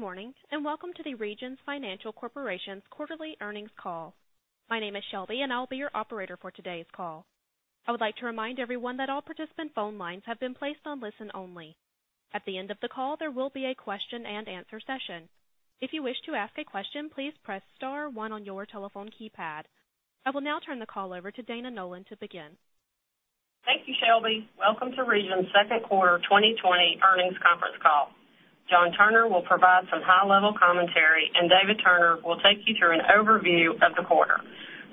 Good morning. Welcome to the Regions Financial Corporation's quarterly earnings call. My name is Shelby, and I'll be your operator for today's call. I would like to remind everyone that all participant phone lines have been placed on listen-only. At the end of the call, there will be a question and answer session. If you wish to ask a question, please press star one on your telephone keypad. I will now turn the call over to Dana Nolan to begin. Thank you, Shelby. Welcome to Regions' second quarter 2020 earnings conference call. John Turner will provide some high-level commentary, and David Turner will take you through an overview of the quarter.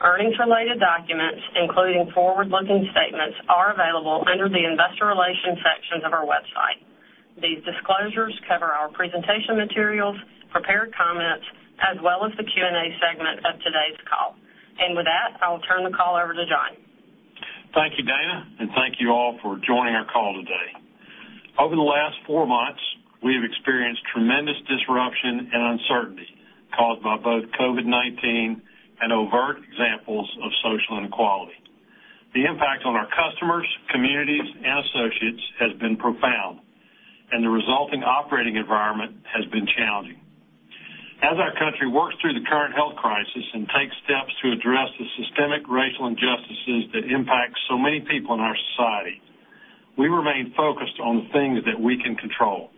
Earnings-related documents, including forward-looking statements, are available under the Investor Relations section of our website. These disclosures cover our presentation materials, prepared comments, as well as the Q&A segment of today's call. With that, I will turn the call over to John. Thank you, Dana, and thank you all for joining our call today. Over the last four months, we have experienced tremendous disruption and uncertainty caused by both COVID-19 and overt examples of social inequality. The impact on our customers, communities, and associates has been profound, and the resulting operating environment has been challenging. As our country works through the current health crisis and takes steps to address the systemic racial injustices that impact so many people in our society, we remain focused on the things that we can control.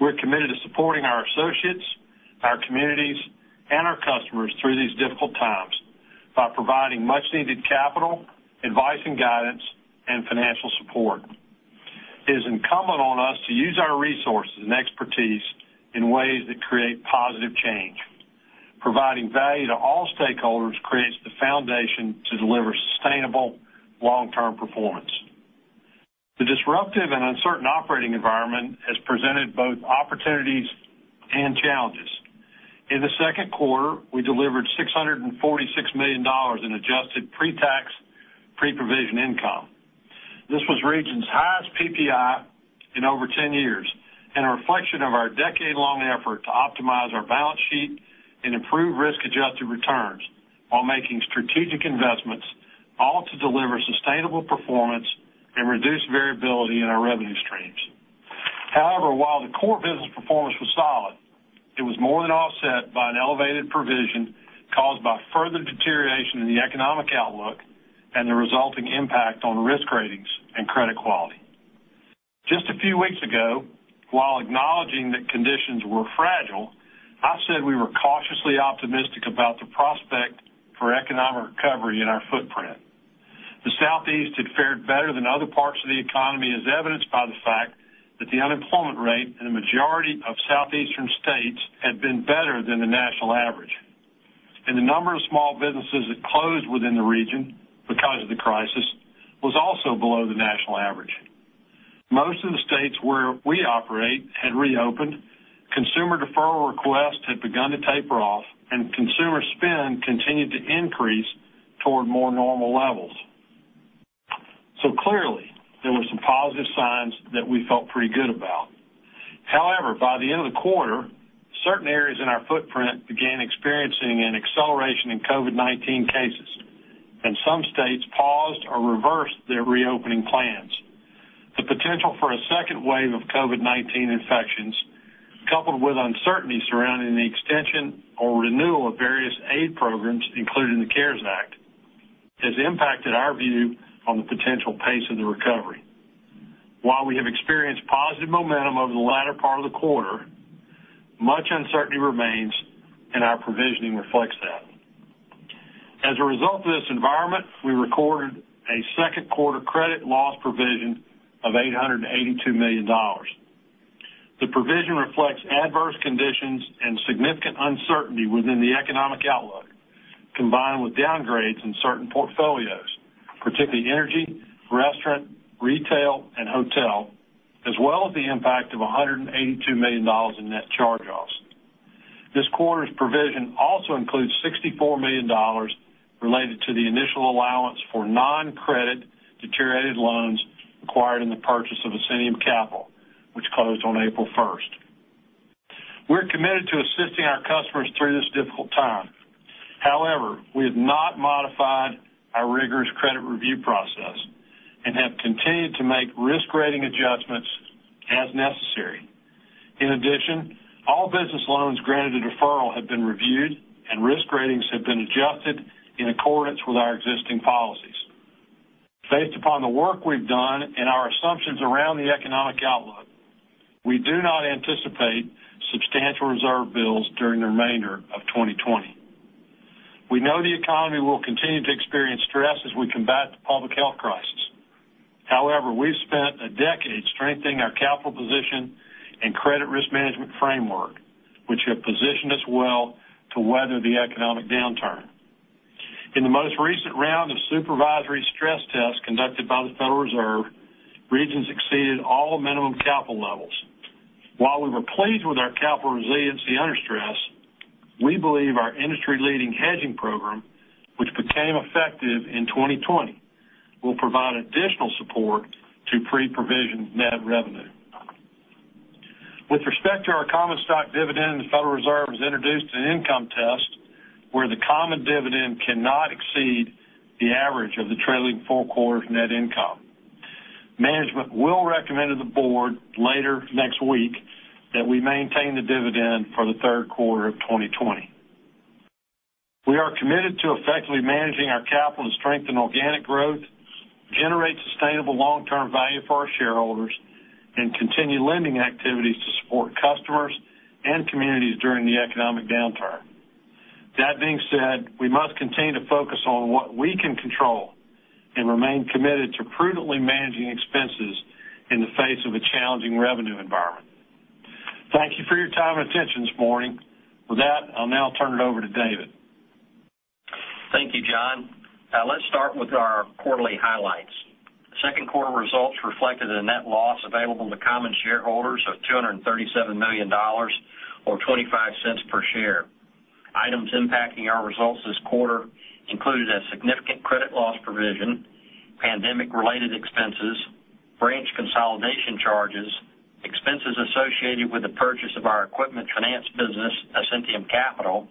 We're committed to supporting our associates, our communities, and our customers through these difficult times by providing much needed capital, advice and guidance, and financial support. It is incumbent on us to use our resources and expertise in ways that create positive change. Providing value to all stakeholders creates the foundation to deliver sustainable long-term performance. The disruptive and uncertain operating environment has presented both opportunities and challenges. In the second quarter, we delivered $646 million in adjusted pre-tax, pre-provision income. This was Regions' highest PPI in over 10 years and a reflection of our decade-long effort to optimize our balance sheet and improve risk-adjusted returns while making strategic investments, all to deliver sustainable performance and reduce variability in our revenue streams. However, while the core business performance was solid, it was more than offset by an elevated provision caused by further deterioration in the economic outlook and the resulting impact on risk ratings and credit quality. Just a few weeks ago, while acknowledging that conditions were fragile, I said we were cautiously optimistic about the prospect for economic recovery in our footprint. The Southeast had fared better than other parts of the economy, as evidenced by the fact that the unemployment rate in the majority of Southeastern states had been better than the national average, and the number of small businesses that closed within the region because of the crisis was also below the national average. Most of the states where we operate had reopened, consumer deferral requests had begun to taper off, and consumer spend continued to increase toward more normal levels. Clearly, there were some positive signs that we felt pretty good about. However, by the end of the quarter, certain areas in our footprint began experiencing an acceleration in COVID-19 cases, and some states paused or reversed their reopening plans. The potential for a second wave of COVID-19 infections, coupled with uncertainty surrounding the extension or renewal of various aid programs, including the CARES Act, has impacted our view on the potential pace of the recovery. While we have experienced positive momentum over the latter part of the quarter, much uncertainty remains, and our provisioning reflects that. As a result of this environment, we recorded a second quarter credit loss provision of $882 million. The provision reflects adverse conditions and significant uncertainty within the economic outlook, combined with downgrades in certain portfolios, particularly energy, restaurant, retail, and hotel, as well as the impact of $182 million in net charge-offs. This quarter's provision also includes $64 million related to the initial allowance for non-credit deteriorated loans acquired in the purchase of Ascentium Capital, which closed on April first. We're committed to assisting our customers through this difficult time. However, we have not modified our rigorous credit review process and have continued to make risk rating adjustments as necessary. In addition, all business loans granted a deferral have been reviewed, and risk ratings have been adjusted in accordance with our existing policies. Based upon the work we've done and our assumptions around the economic outlook, we do not anticipate substantial reserve builds during the remainder of 2020. We know the economy will continue to experience stress as we combat the public health crisis. However, we've spent a decade strengthening our capital position and credit risk management framework, which have positioned us well to weather the economic downturn. In the most recent round of supervisory stress tests conducted by the Federal Reserve, Regions exceeded all minimum capital levels. While we were pleased with our capital resiliency under stress, we believe our industry-leading hedging program, which became effective in 2020, will provide additional support to pre-provision net revenue. With respect to our common stock dividend, the Federal Reserve has introduced an income test where the common dividend cannot exceed the average of the trailing four quarters' net income. Management will recommend to the board later next week that we maintain the dividend for the third quarter of 2020. We are committed to effectively managing our capital to strengthen organic growth, generate sustainable long-term value for our shareholders, and continue lending activities to support customers and communities during the economic downturn. That being said, we must continue to focus on what we can control and remain committed to prudently managing expenses in the face of a challenging revenue environment. Thank you for your time and attention this morning. With that, I'll now turn it over to David. Thank you, John. Let's start with our quarterly highlights. Second quarter results reflected a net loss available to common shareholders of $237 million, or $0.25 per share. Items impacting our results this quarter included a significant credit loss provision, pandemic-related expenses, branch consolidation charges, expenses associated with the purchase of our equipment finance business, Ascentium Capital,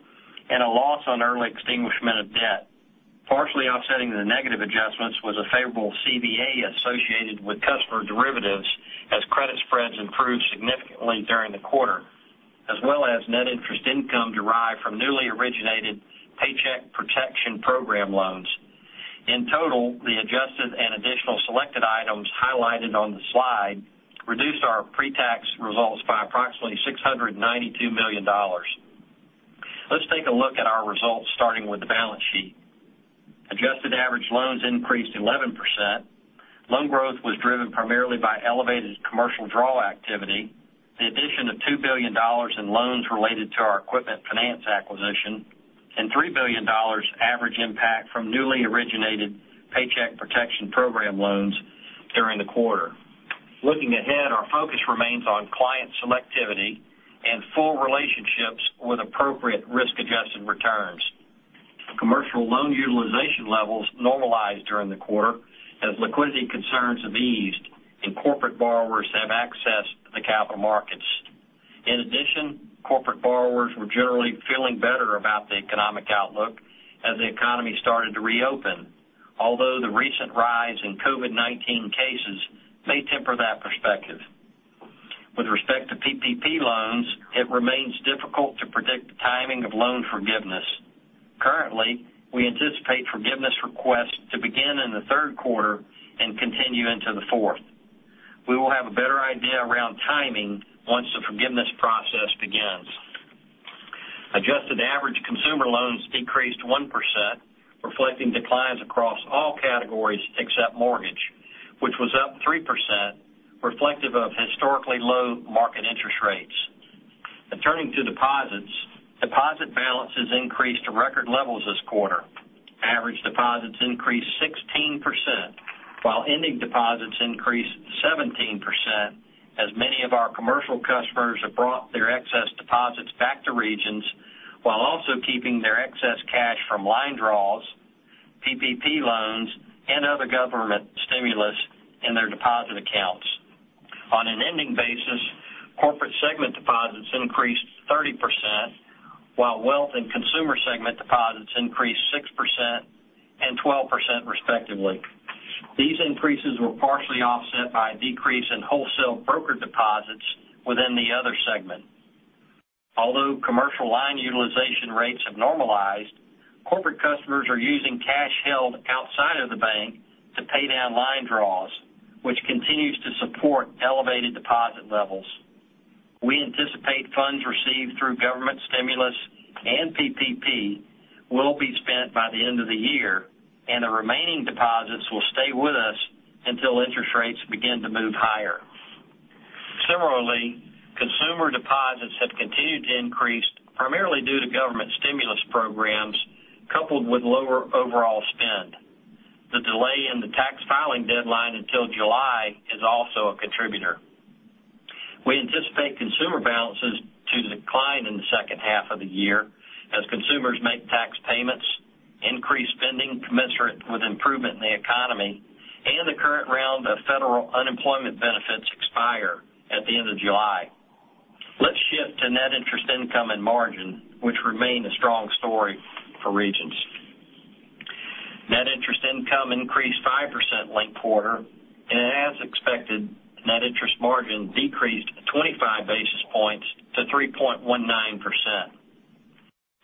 and a loss on early extinguishment of debt. Partially offsetting the negative adjustments was a favorable CVA associated with customer derivatives as credit spreads improved significantly during the quarter, as well as net interest income derived from newly originated Paycheck Protection Program loans. In total, the adjusted and additional selected items highlighted on the slide reduced our pre-tax results by approximately $692 million. Let's take a look at our results, starting with the balance sheet. Adjusted average loans increased 11%. Loan growth was driven primarily by elevated commercial draw activity, the addition of $2 billion in loans related to our equipment finance acquisition, and $3 billion average impact from newly originated Paycheck Protection Program loans during the quarter. Looking ahead, our focus remains on client selectivity and full relationships with appropriate risk-adjusted returns. Commercial loan utilization levels normalized during the quarter as liquidity concerns have eased and corporate borrowers have accessed the capital markets. Corporate borrowers were generally feeling better about the economic outlook as the economy started to reopen, although the recent rise in COVID-19 cases may temper that perspective. With respect to PPP loans, it remains difficult to predict the timing of loan forgiveness. Currently, we anticipate forgiveness requests to begin in the third quarter and continue into the fourth. We will have a better idea around timing once the forgiveness process begins. Adjusted average consumer loans decreased 1%, reflecting declines across all categories except mortgage, which was up 3%, reflective of historically low market interest rates. Turning to deposits. Deposit balances increased to record levels this quarter. Average deposits increased 16%, while ending deposits increased 17%, as many of our commercial customers have brought their excess deposits back to Regions, while also keeping their excess cash from line draws, PPP loans, and other government stimulus in their deposit accounts. On an ending basis, corporate segment deposits increased 30%, while wealth and consumer segment deposits increased 6% and 12%, respectively. These increases were partially offset by a decrease in wholesale broker deposits within the other segment. Commercial line utilization rates have normalized, corporate customers are using cash held outside of the bank to pay down line draws, which continues to support elevated deposit levels. We anticipate funds received through government stimulus and PPP will be spent by the end of the year, and the remaining deposits will stay with us until interest rates begin to move higher. Similarly, consumer deposits have continued to increase, primarily due to government stimulus programs coupled with lower overall spend. The delay in the tax filing deadline until July is also a contributor. We anticipate consumer balances to decline in the second half of the year as consumers make tax payments, increase spending commensurate with improvement in the economy, and the current round of federal unemployment benefits expire at the end of July. Let's shift to net interest income and margin, which remain a strong story for Regions. Net interest income increased 5% linked quarter, and as expected, net interest margin decreased 25 basis points to 3.19%.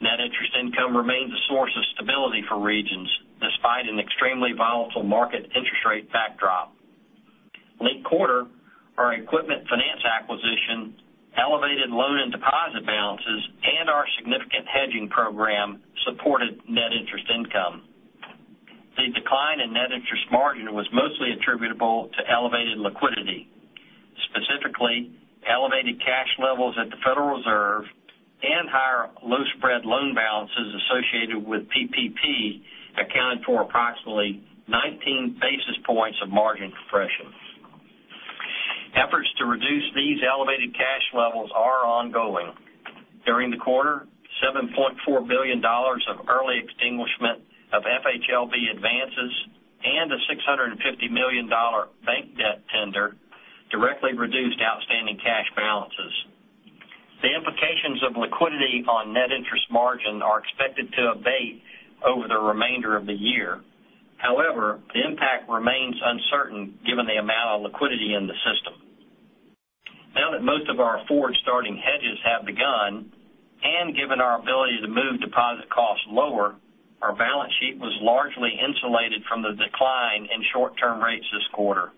Net interest income remains a source of stability for Regions, despite an extremely volatile market interest rate backdrop. Late quarter, our equipment finance acquisition, elevated loan and deposit balances, and our significant hedging program supported net interest income. The decline in net interest margin was mostly attributable to elevated liquidity. Specifically, elevated cash levels at the Federal Reserve and higher low-spread loan balances associated with PPP accounted for approximately 19 basis points of margin compression. Efforts to reduce these elevated cash levels are ongoing. During the quarter, $7.4 billion of early extinguishment of FHLB advances and a $650 million bank debt tender directly reduced outstanding cash balances. The implications of liquidity on net interest margin are expected to abate over the remainder of the year. The impact remains uncertain given the amount of liquidity in the system. Now that most of our forward starting hedges have begun, and given our ability to move deposit costs lower, our balance sheet was largely insulated from the decline in short-term rates this quarter.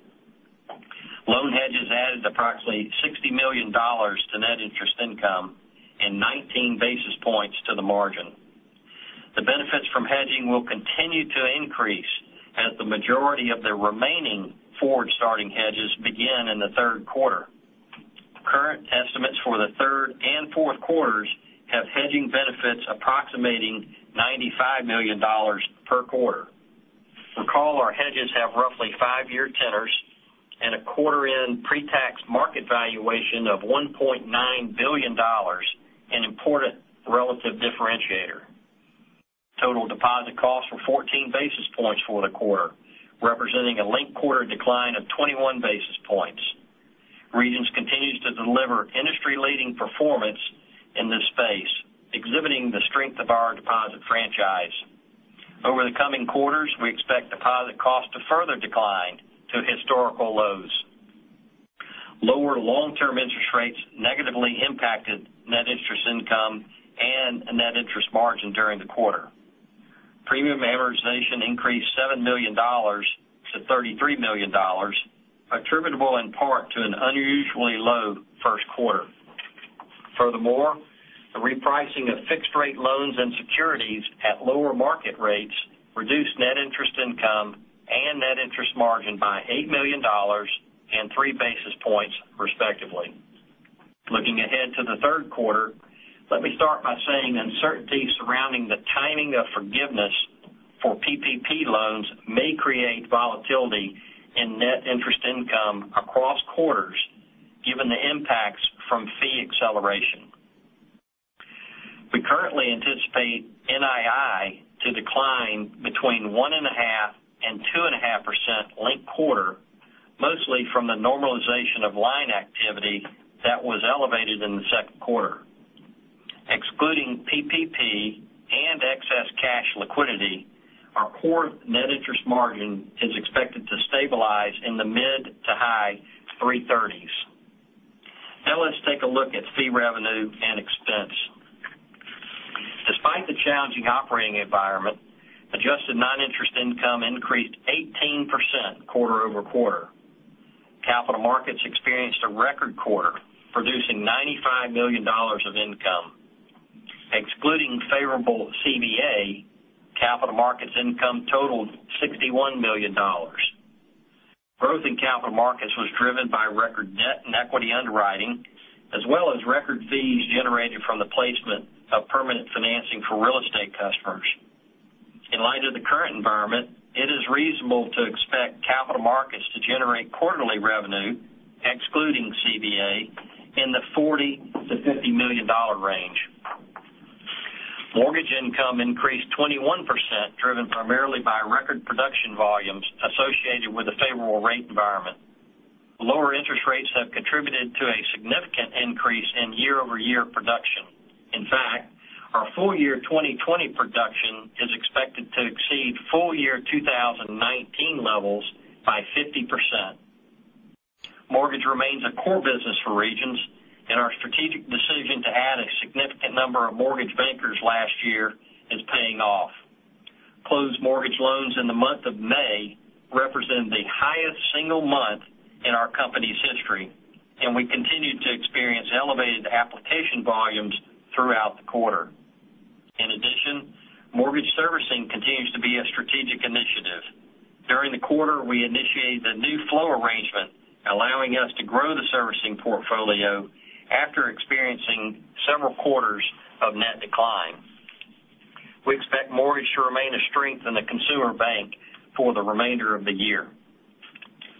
Loan hedges added approximately $60 million to net interest income and 19 basis points to the margin. The benefits from hedging will continue to increase as the majority of the remaining forward starting hedges begin in the third quarter. Current estimates for the third and fourth quarters have hedging benefits approximating $95 million per quarter. Recall, our hedges have roughly five-year tenors and a quarter-end pre-tax market valuation of $1.9 billion, an important relative differentiator. Total deposit costs were 14 basis points for the quarter, representing a linked-quarter decline of 21 basis points. Regions continues to deliver industry-leading performance in this space, exhibiting the strength of our deposit franchise. Over the coming quarters, we expect deposit cost to further decline to historical lows. Lower long-term interest rates negatively impacted net interest income and net interest margin during the quarter. Premium amortization increased $7 million to $33 million, attributable in part to an unusually low first quarter. Furthermore, the repricing of fixed rate loans and securities at lower market rates reduced net interest income and net interest margin by $8 million and three basis points, respectively. Looking ahead to the third quarter, let me start by saying uncertainties surrounding the timing of forgiveness for PPP loans may create volatility in net interest income across quarters, given the impacts from fee acceleration. We currently anticipate NII to decline between 1.5% and 2.5% linked quarter, mostly from the normalization of line activity that was elevated in the second quarter. Excluding PPP and excess cash liquidity, our core net interest margin is expected to stabilize in the mid to high 330s. Let's take a look at fee revenue and expense. Despite the challenging operating environment, adjusted non-interest income increased 18% quarter-over-quarter. Capital markets experienced a record quarter, producing $95 million of income. Excluding favorable CVA, capital markets income totaled $61 million. Growth in capital markets was driven by record debt and equity underwriting, as well as record fees generated from the placement of permanent financing for real estate customers. In light of the current environment, it is reasonable to expect capital markets to generate quarterly revenue, excluding CVA, in the $40 million-$50 million range. Mortgage income increased 21%, driven primarily by record production volumes associated with a favorable rate environment. Lower interest rates have contributed to a significant increase in year-over-year production. In fact, our full year 2020 production is expected to exceed full year 2019 levels by 50%. Mortgage remains a core business for Regions, and our strategic decision to add a significant number of mortgage bankers last year is paying off. Closed mortgage loans in the month of May represent the highest single month in our company's history, and we continued to experience elevated application volumes throughout the quarter. Mortgage servicing continues to be a strategic initiative. During the quarter, we initiated a new flow arrangement, allowing us to grow the servicing portfolio after experiencing several quarters of net decline. We expect mortgage to remain a strength in the consumer bank for the remainder of the year.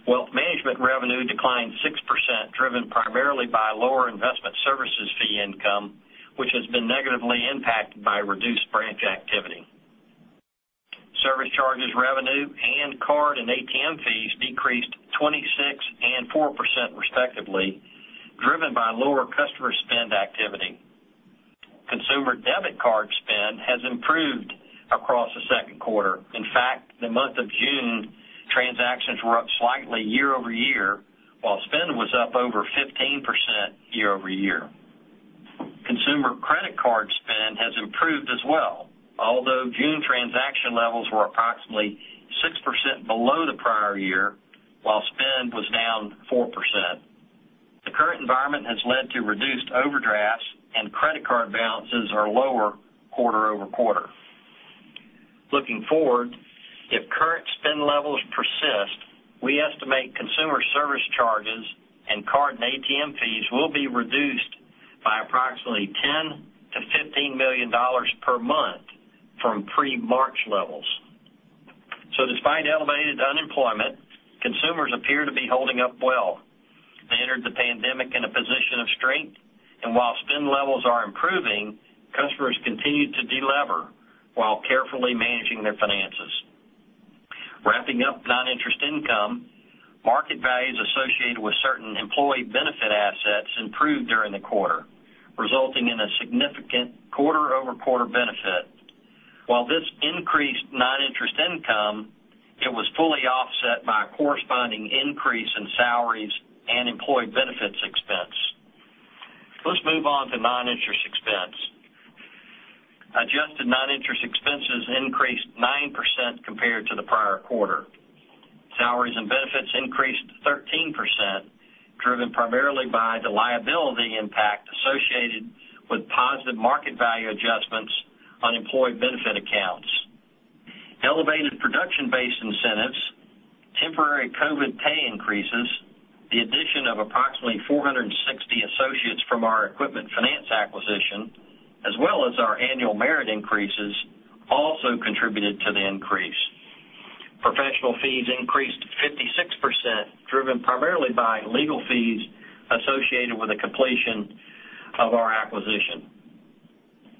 Wealth management revenue declined 6%, driven primarily by lower investment services fee income, which has been negatively impacted by reduced branch activity. Service charges revenue and card and ATM fees decreased 26% and 4% respectively, driven by lower customer spend activity. Consumer debit card spend has improved across the second quarter. The month of June, transactions were up slightly year-over-year, while spend was up over 15% year-over-year. Consumer credit card spend has improved as well, although June transaction levels were approximately 6% below the prior year, while spend was down 4%. The current environment has led to reduced overdrafts and credit card balances are lower quarter-over-quarter. Looking forward, if current spend levels persist, we estimate consumer service charges and card and ATM fees will be reduced by approximately $10 million-$15 million per month from pre-March levels. Employment, consumers appear to be holding up well. They entered the pandemic in a position of strength, and while spend levels are improving, customers continued to de-lever while carefully managing their finances. Wrapping up non-interest income, market values associated with certain employee benefit assets improved during the quarter, resulting in a significant quarter-over-quarter benefit. While this increased non-interest income, it was fully offset by a corresponding increase in salaries and employee benefits expense. Let's move on to non-interest expense. Adjusted non-interest expenses increased 9% compared to the prior quarter. Salaries and benefits increased 13%, driven primarily by the liability impact associated with positive market value adjustments on employee benefit accounts. Elevated production-based incentives, temporary COVID pay increases, the addition of approximately 460 associates from our equipment finance acquisition, as well as our annual merit increases, also contributed to the increase. Professional fees increased 56%, driven primarily by legal fees associated with the completion of our acquisition.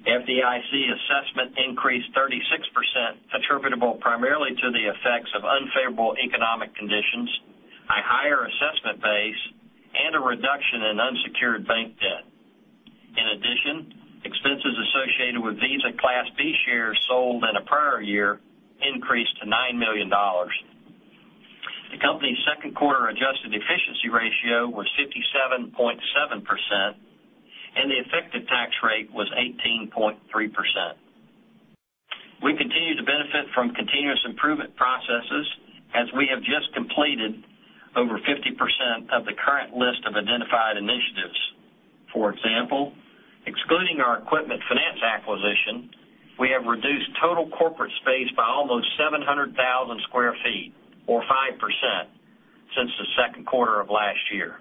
FDIC assessment increased 36%, attributable primarily to the effects of unfavorable economic conditions, a higher assessment base, and a reduction in unsecured bank debt. In addition, expenses associated with Visa Class B shares sold in a prior year increased to $9 million. The company's second quarter adjusted efficiency ratio was 57.7%, and the effective tax rate was 18.3%. We continue to benefit from continuous improvement processes as we have just completed over 50% of the current list of identified initiatives. For example, excluding our equipment finance acquisition, we have reduced total corporate space by almost 700,000 square feet, or 5%, since the second quarter of last year.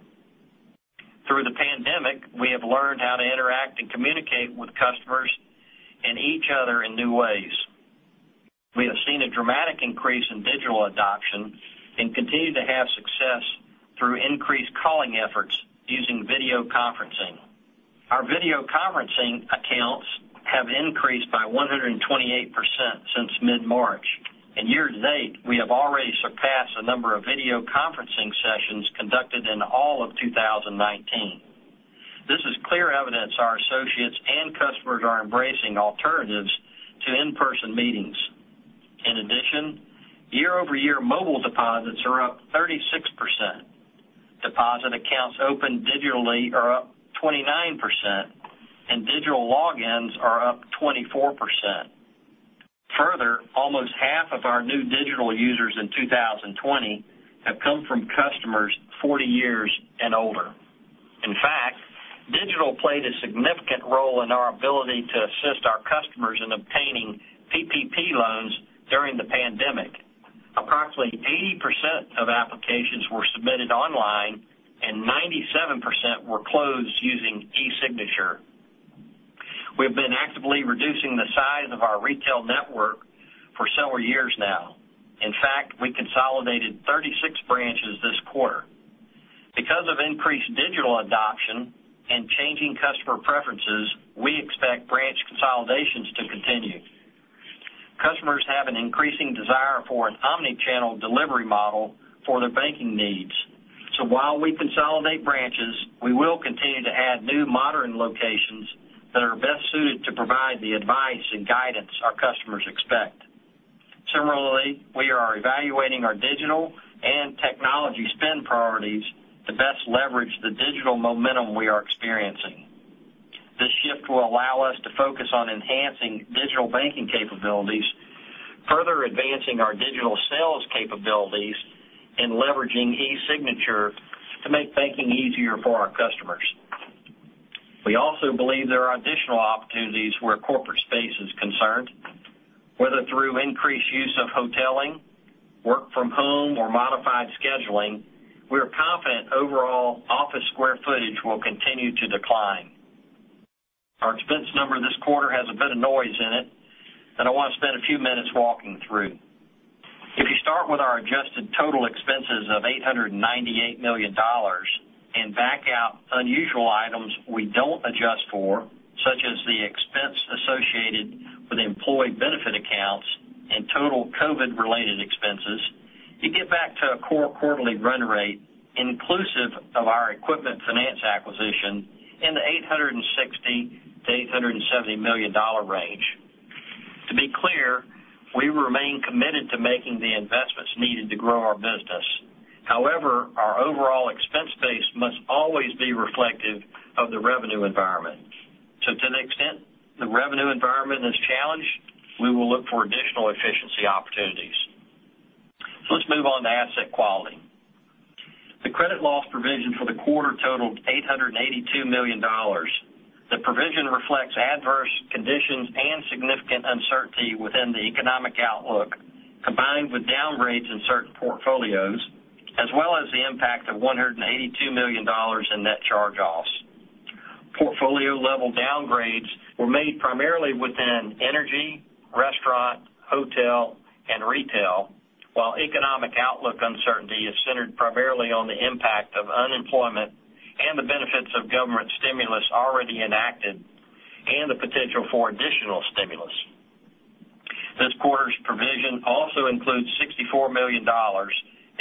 Through the pandemic, we have learned how to interact and communicate with customers and each other in new ways. We have seen a dramatic increase in digital adoption and continue to have success through increased calling efforts using video conferencing. Our video conferencing accounts have increased by 128% since mid-March. Year-to-date, we have already surpassed the number of video conferencing sessions conducted in all of 2019. This is clear evidence our associates and customers are embracing alternatives to in-person meetings. In addition, year-over-year mobile deposits are up 36%. Deposit accounts opened digitally are up 29%, and digital logins are up 24%. Further, almost half of our new digital users in 2020 have come from customers 40 years and older. In fact, digital played a significant role in our ability to assist our customers in obtaining PPP loans during the pandemic. Approximately 80% of applications were submitted online and 97% were closed using e-signature. We have been actively reducing the size of our retail network for several years now. In fact, we consolidated 36 branches this quarter. Because of increased digital adoption and changing customer preferences, we expect branch consolidations to continue. Customers have an increasing desire for an omni-channel delivery model for their banking needs. While we consolidate branches, we will continue to add new modern locations that are best suited to provide the advice and guidance our customers expect. Similarly, we are evaluating our digital and technology spend priorities to best leverage the digital momentum we are experiencing. This shift will allow us to focus on enhancing digital banking capabilities, further advancing our digital sales capabilities, and leveraging e-signature to make banking easier for our customers. We also believe there are additional opportunities where corporate space is concerned. Whether through increased use of hoteling, work from home, or modified scheduling, we are confident overall office square footage will continue to decline. Our expense number this quarter has a bit of noise in it that I want to spend a few minutes walking through. If you start with our adjusted total expenses of $898 million and back out unusual items we don't adjust for, such as the expense associated with employee benefit accounts and total COVID-related expenses, you get back to a core quarterly run rate inclusive of our equipment finance acquisition in the $860 million-$870 million range. To be clear, we remain committed to making the investments needed to grow our business. However, our overall expense base must always be reflective of the revenue environment. To the extent the revenue environment is challenged, we will look for additional efficiency opportunities. Let's move on to asset quality. The credit loss provision for the quarter totaled $882 million. The provision reflects adverse conditions and significant uncertainty within the economic outlook, combined with downgrades in certain portfolios, as well as the impact of $182 million in net charge-offs. Portfolio-level downgrades were made primarily within energy, restaurant, hotel, and retail, while economic outlook uncertainty is centered primarily on the impact of unemployment and the benefits of government stimulus already enacted, and the potential for additional stimulus. This quarter's provision also includes $64 million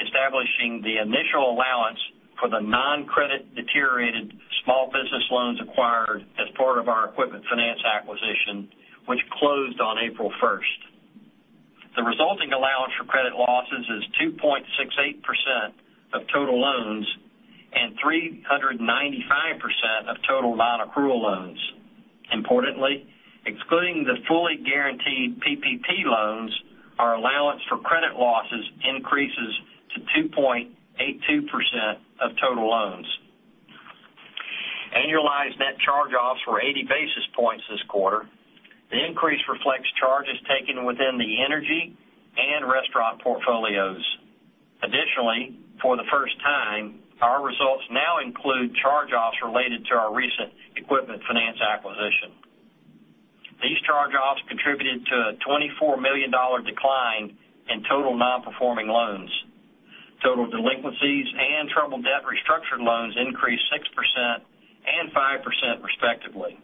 establishing the initial allowance for the non-credit deteriorated small business loans acquired as part of our equipment finance acquisition, which closed on April 1st. The resulting allowance for credit losses is 2.68% of total loans and 395% of total non-accrual loans. Importantly, excluding the fully guaranteed PPP loans, our allowance for credit losses increases to 2.82% of total loans. Annualized net charge-offs were 80 basis points this quarter. The increase reflects charges taken within the energy and restaurant portfolios. Additionally, for the first time, our results now include charge-offs related to our recent equipment finance acquisition. These charge-offs contributed to a $24 million decline in total non-performing loans. Total delinquencies and troubled debt restructured loans increased 6% and 5% respectively.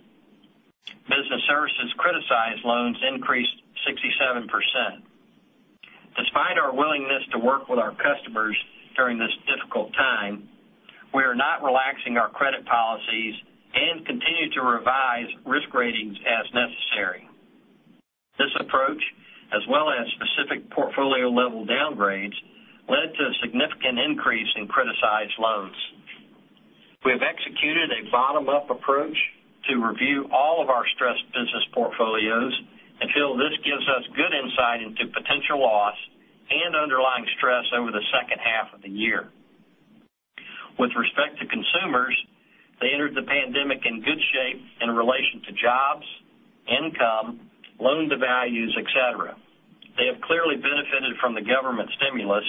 Business services criticized loans increased 67%. Despite our willingness to work with our customers during this difficult time, we are not relaxing our credit policies and continue to revise risk ratings as necessary. This approach, as well as specific portfolio-level downgrades, led to a significant increase in criticized loans. We have executed a bottom-up approach to review all of our stressed business portfolios and feel this gives us good insight into potential loss and underlying stress over the second half of the year. With respect to consumers, they entered the pandemic in good shape in relation to jobs, income, loan to values, et cetera. They have clearly benefited from the government stimulus,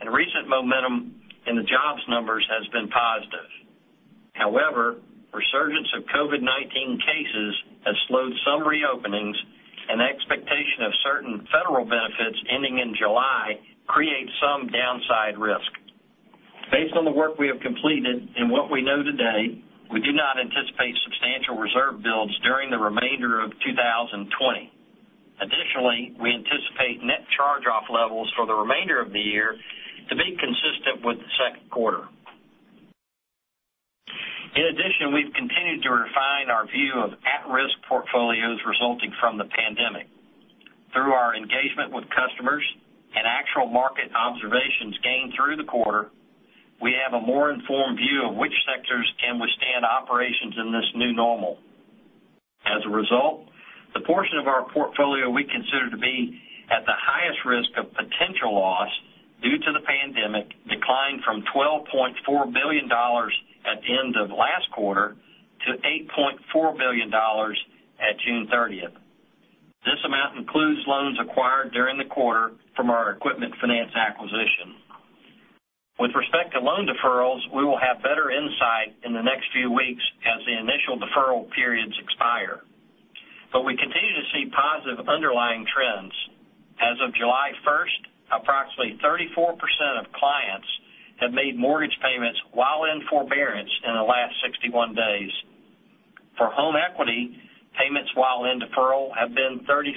and recent momentum in the jobs numbers has been positive. However, resurgence of COVID-19 cases has slowed some reopenings, and expectation of certain federal benefits ending in July creates some downside risk. Based on the work we have completed and what we know today, we do not anticipate substantial reserve builds during the remainder of 2020. Additionally, we anticipate net charge-off levels for the remainder of the year to be consistent with the second quarter. In addition, we've continued to refine our view of at-risk portfolios resulting from the pandemic. Through our engagement with customers and actual market observations gained through the quarter, we have a more informed view of which sectors can withstand operations in this new normal. As a result, the portion of our portfolio we consider to be at the highest risk of potential loss due to the pandemic declined from $12.4 billion at the end of last quarter to $8.4 billion at June 30th. This amount includes loans acquired during the quarter from our equipment finance acquisition. With respect to loan deferrals, we will have better insight in the next few weeks as the initial deferral periods expire. We continue to see positive underlying trends. As of July 1st, approximately 34% of clients have made mortgage payments while in forbearance in the last 61 days. For home equity, payments while in deferral have been 36%.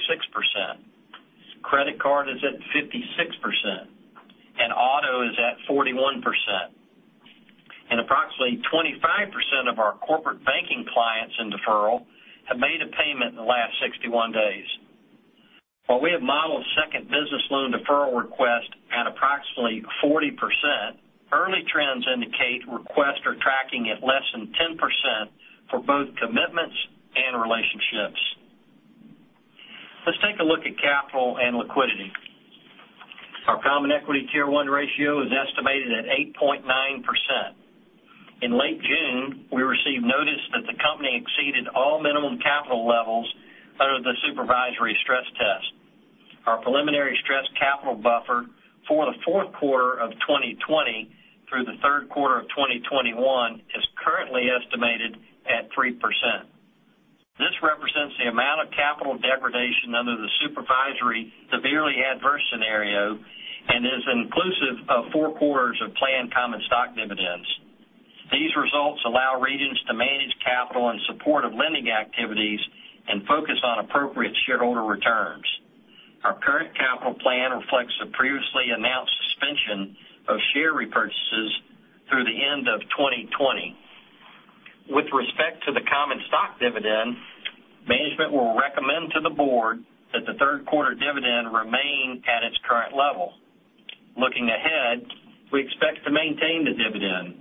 Credit card is at 56%, and auto is at 41%. Approximately 25% of our corporate banking clients in deferral have made a payment in the last 61 days. While we have modeled second business loan deferral requests at approximately 40%, early trends indicate requests are tracking at less than 10% for both commitments and relationships. Let's take a look at capital and liquidity. Our common equity Tier 1 ratio is estimated at 8.9%. In late June, we received notice that the company exceeded all minimum capital levels under the supervisory stress test. Our preliminary stress capital buffer for the fourth quarter of 2020 through the third quarter of 2021 is currently estimated at 3%. This represents the amount of capital degradation under the supervisory severely adverse scenario and is inclusive of four quarters of planned common stock dividends. These results allow Regions to manage capital in support of lending activities and focus on appropriate shareholder returns. Our current capital plan reflects the previously announced suspension of share repurchases through the end of 2020. With respect to the common stock dividend, management will recommend to the board that the third quarter dividend remain at its current level. Looking ahead, we expect to maintain the dividend.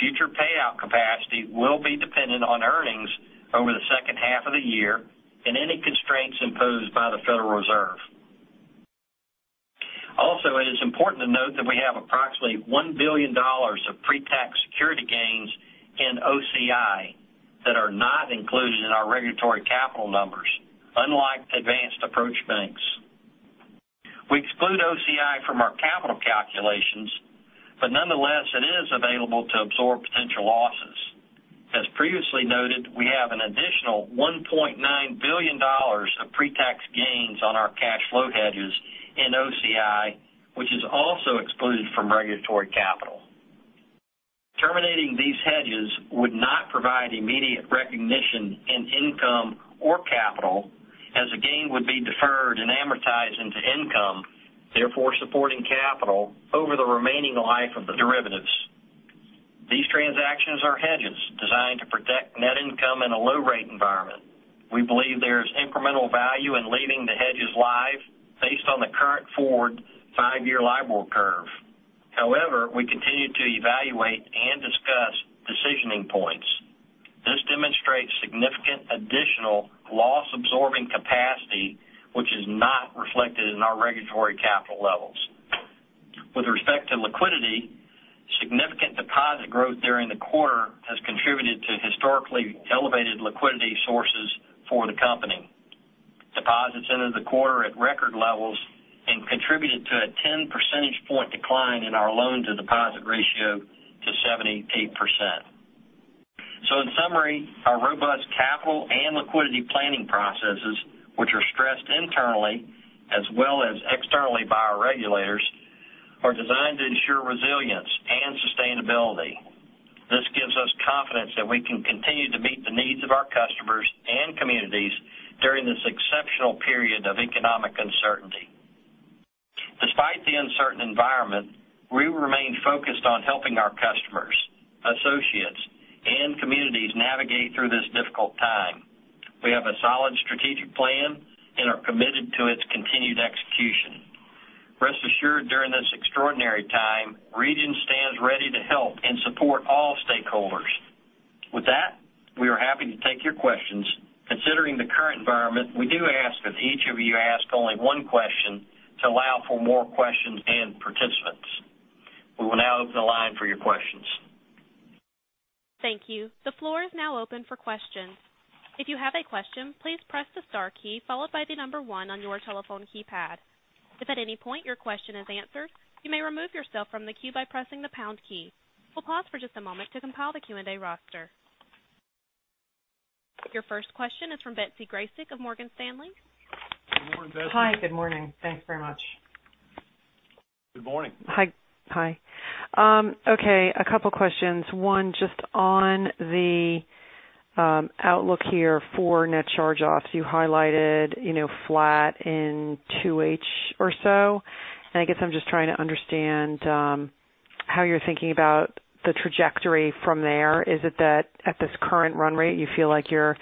Future payout capacity will be dependent on earnings over the second half of the year and any constraints imposed by the Federal Reserve. It is important to note that we have approximately $1 billion of pre-tax security gains in OCI that are not included in our regulatory capital numbers, unlike advanced approach banks. Nonetheless, it is available to absorb potential losses. As previously noted, we have an additional $1.9 billion of pre-tax gains on our cash flow hedges in OCI, which is also excluded from regulatory capital. Terminating these hedges would not provide immediate recognition in income or capital, as the gain would be deferred and amortized into income, therefore supporting capital over the remaining life of the derivatives. These transactions are hedges designed to protect net income in a low rate environment. We believe there is incremental value in leaving the hedges live based on the current forward five-year LIBOR curve. However, we continue to evaluate and discuss decisioning points. This demonstrates significant additional loss-absorbing capacity, which is not reflected in our regulatory capital levels. With respect to liquidity, significant deposit growth during the quarter has contributed to historically elevated liquidity sources for the company. Deposits entered the quarter at record levels and contributed to a 10 percentage point decline in our loan-to-deposit ratio to 78%. In summary, our robust capital and liquidity planning processes, which are stressed internally as well as externally by our regulators, are designed to ensure resilience and sustainability. This gives us confidence that we can continue to meet the needs of our customers and communities during this exceptional period of economic uncertainty. Despite the uncertain environment, we remain focused on helping our customers, associates, and communities navigate through this difficult time. We have a solid strategic plan and are committed to its continued execution. Rest assured, during this extraordinary time, Regions stands ready to help and support all stakeholders. With that, we are happy to take your questions. Considering the current environment, we do ask that each of you ask only one question to allow for more questions and participants. We will now open the line for your questions. Thank you. The floor is now open for questions. If you have a question, please press the star key followed by the number one on your telephone keypad. If at any point your question is answered, you may remove yourself from the queue by pressing the pound key. We'll pause for just a moment to compile the Q&A roster. Your first question is from Betsy Graseck of Morgan Stanley. Good morning, Betsy. Hi, good morning. Thanks very much. Good morning. Hi. Okay, a couple questions. One, just on the outlook here for net charge-offs, you highlighted flat in 2H or so, and I guess I'm just trying to understand how you're thinking about the trajectory from there. Is it that at this current run rate, you feel like you're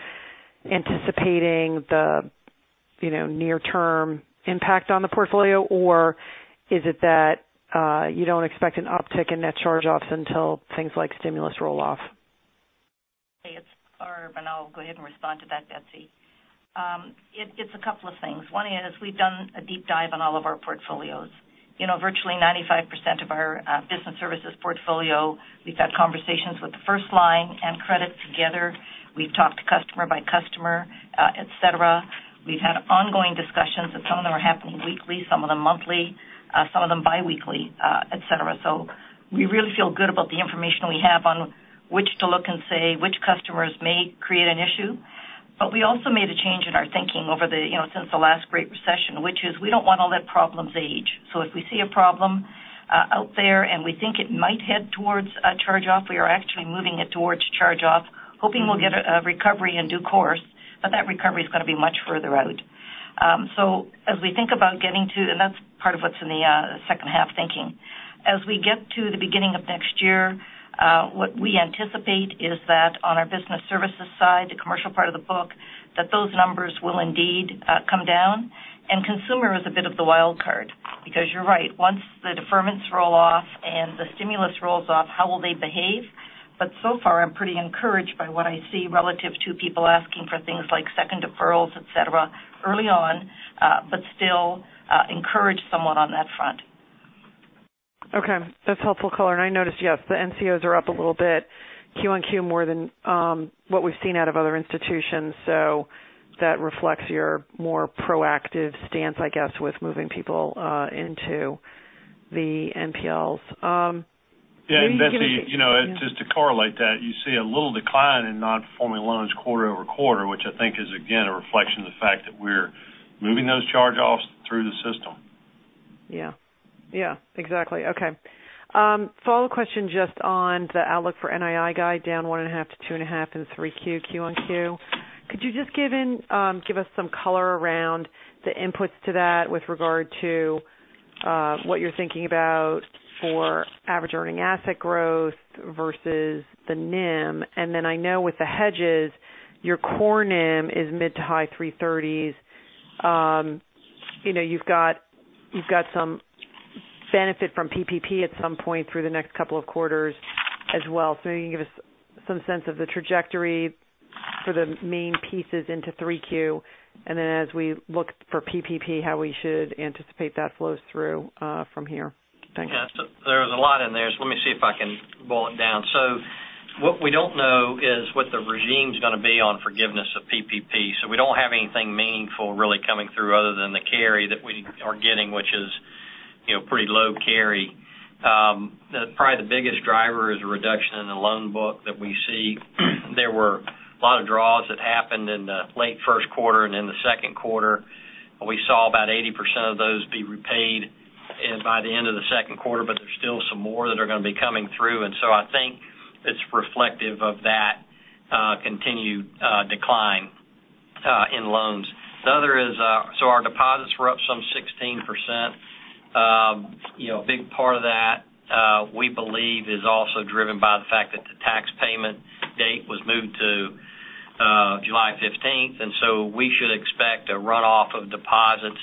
anticipating the near-term impact on the portfolio, or is it that you don't expect an uptick in net charge-offs until things like stimulus roll off? Hey, it's Barb, and I'll go ahead and respond to that, Betsy. It's a couple of things. One is, we've done a deep dive on all of our portfolios. Virtually 95% of our business services portfolio, we've had conversations with the first line and credit together. We've talked customer by customer, et cetera. We've had ongoing discussions, and some of them are happening weekly, some of them monthly, some of them biweekly, et cetera. We really feel good about the information we have on which to look and say which customers may create an issue. We also made a change in our thinking since the last Great Recession, which is we don't want to let problems age. If we see a problem out there and we think it might head towards a charge-off, we are actually moving it towards charge-off, hoping we'll get a recovery in due course, but that recovery is going to be much further out. That's part of what's in the second half thinking. As we get to the beginning of next year, what we anticipate is that on our business services side, the commercial part of the book, that those numbers will indeed come down. Consumer is a bit of the wild card because you're right, once the deferments roll off and the stimulus rolls off, how will they behave? So far, I'm pretty encouraged by what I see relative to people asking for things like second deferrals, et cetera, early on, but still encouraged somewhat on that front. Okay. That's helpful, Farah. I noticed, yes, the NCOs are up a little bit Q on Q more than what we've seen out of other institutions. That reflects your more proactive stance, I guess, with moving people into the NPLs. Yeah. Betsy, just to correlate that, you see a little decline in non-performing loans quarter-over-quarter, which I think is again, a reflection of the fact that we're moving those charge-offs through the system. Yeah. Exactly. Okay. Follow-up question just on the outlook for NII guide down 1.5%-2.5% in 3Q, Q1Q. Could you just give us some color around the inputs to that with regard to what you're thinking about for average earning asset growth versus the NIM? Then I know with the hedges, your core NIM is mid to high 330s. You've got some benefit from PPP at some point through the next couple of quarters as well. You can give us some sense of the trajectory for the main pieces into 3Q, then as we look for PPP, how we should anticipate that flows through from here. Thanks. Yeah. There's a lot in there, so let me see if I can boil it down. What we don't know is what Regions' going to be on forgiveness of PPP. We don't have anything meaningful really coming through other than the carry that we are getting, which is pretty low carry. Probably the biggest driver is a reduction in the loan book that we see. There were a lot of draws that happened in the late first quarter and in the second quarter. We saw about 80% of those be repaid by the end of the second quarter, but there's still some more that are going to be coming through. I think it's reflective of that continued decline in loans. The other is, so our deposits were up some 16%. A big part of that, we believe, is also driven by the fact that the tax payment date was moved to July 15th, and so we should expect a runoff of deposits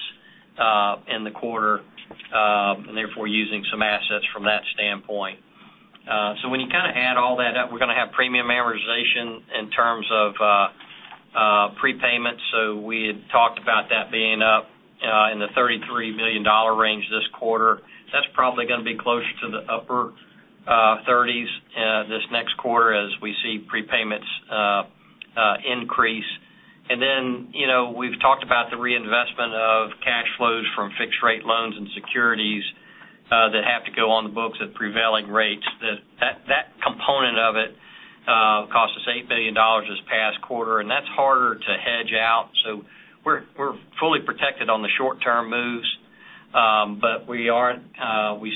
in the quarter, and therefore, using some assets from that standpoint. When you add all that up, we're going to have premium amortization in terms of prepayment. We had talked about that being up in the $33 million range this quarter. That's probably going to be closer to the upper 30s this next quarter as we see prepayments increase. We've talked about the reinvestment of cash flows from fixed rate loans and securities that have to go on the books at prevailing rates. That component of it cost us $8 billion this past quarter, and that's harder to hedge out. We're fully protected on the short-term moves, but we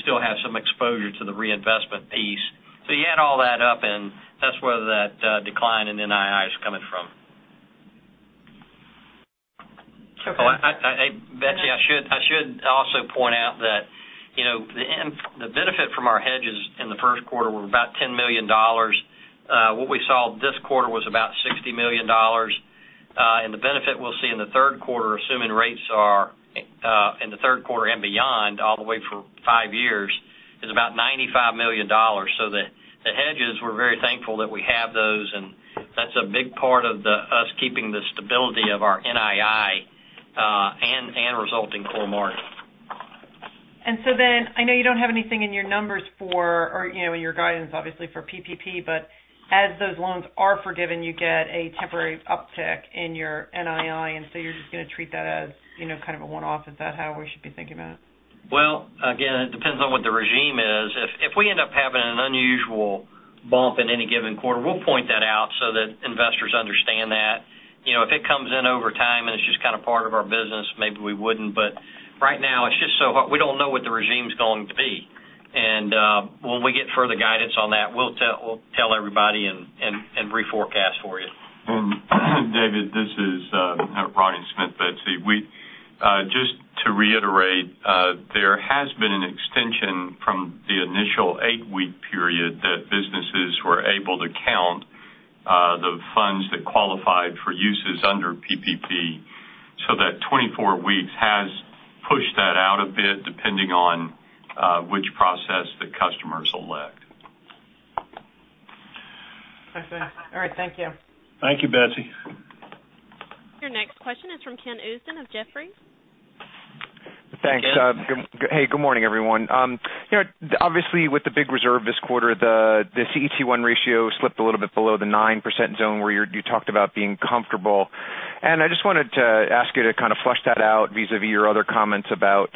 still have some exposure to the reinvestment piece. You add all that up, and that's where that decline in NII is coming from. Okay. Betsy, I should also point out that the benefit from our hedges in the first quarter were about $10 million. What we saw this quarter was about $60 million. The benefit we'll see in the third quarter, assuming rates are in the third quarter and beyond all the way for five years, is about $95 million. The hedges, we're very thankful that we have those, and that's a big part of us keeping the stability of our NII, and resulting core margin. I know you don't have anything in your numbers for, or in your guidance, obviously, for PPP, but as those loans are forgiven, you get a temporary uptick in your NII, and so you're just going to treat that as kind of a one-off. Is that how we should be thinking about it? Well, again, it depends on what the regime is. If we end up having an unusual bump in any given quarter, we'll point that out so that investors understand that. If it comes in over time and it's just kind of part of our business, maybe we wouldn't. Right now, it's just so hot. We don't know what the regime's going to be. When we get further guidance on that, we'll tell everybody and reforecast for you. David, this is Ronnie Smith, Betsy. Just to reiterate, there has been an extension from the initial eight-week period that businesses were able to count the funds that qualified for uses under PPP so that 24 weeks has pushed that out a bit, depending on which process the customers elect. Okay. All right. Thank you. Thank you, Betsy. Your next question is from Ken Usdin of Jefferies. Thanks. Ken. Hey, good morning, everyone. Obviously, with the big reserve this quarter, the CET1 ratio slipped a little bit below the 9% zone where you talked about being comfortable. I just wanted to ask you to kind of flesh that out vis-a-vis your other comments about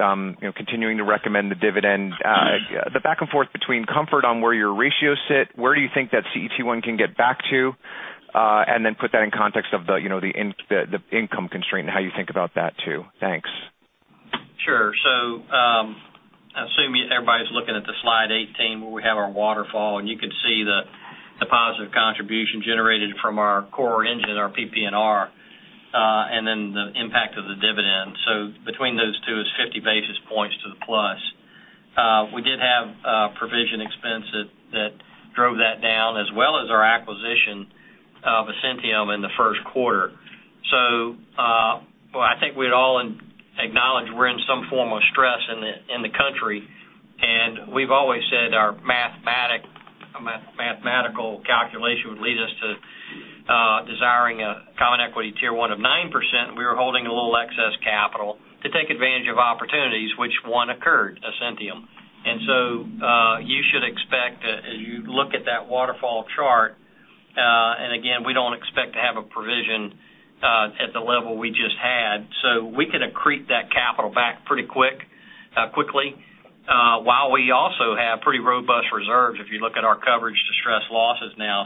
continuing to recommend the dividend. The back and forth between comfort on where your ratios sit, where do you think that CET1 can get back to? Put that in context of the income constraint and how you think about that, too. Thanks. Sure. I'm assuming everybody's looking at the slide 18 where we have our waterfall, and you could see the positive contribution generated from our core engine, our PPNR, and then the impact of the dividend. Between those two is 50 basis points to the plus. We did have provision expense that drove that down as well as our acquisition of Ascentium in the first quarter. I think we'd all acknowledge we're in some form of stress in the country, and we've always said our mathematical calculation would lead us to desiring a common equity Tier 1 of 9%. We were holding a little excess capital to take advantage of opportunities, which one occurred, Ascentium. You should expect, as you look at that waterfall chart, and again, we don't expect to have a provision at the level we just had. We can accrete that capital back pretty quickly while we also have pretty robust reserves if you look at our coverage to stress losses now.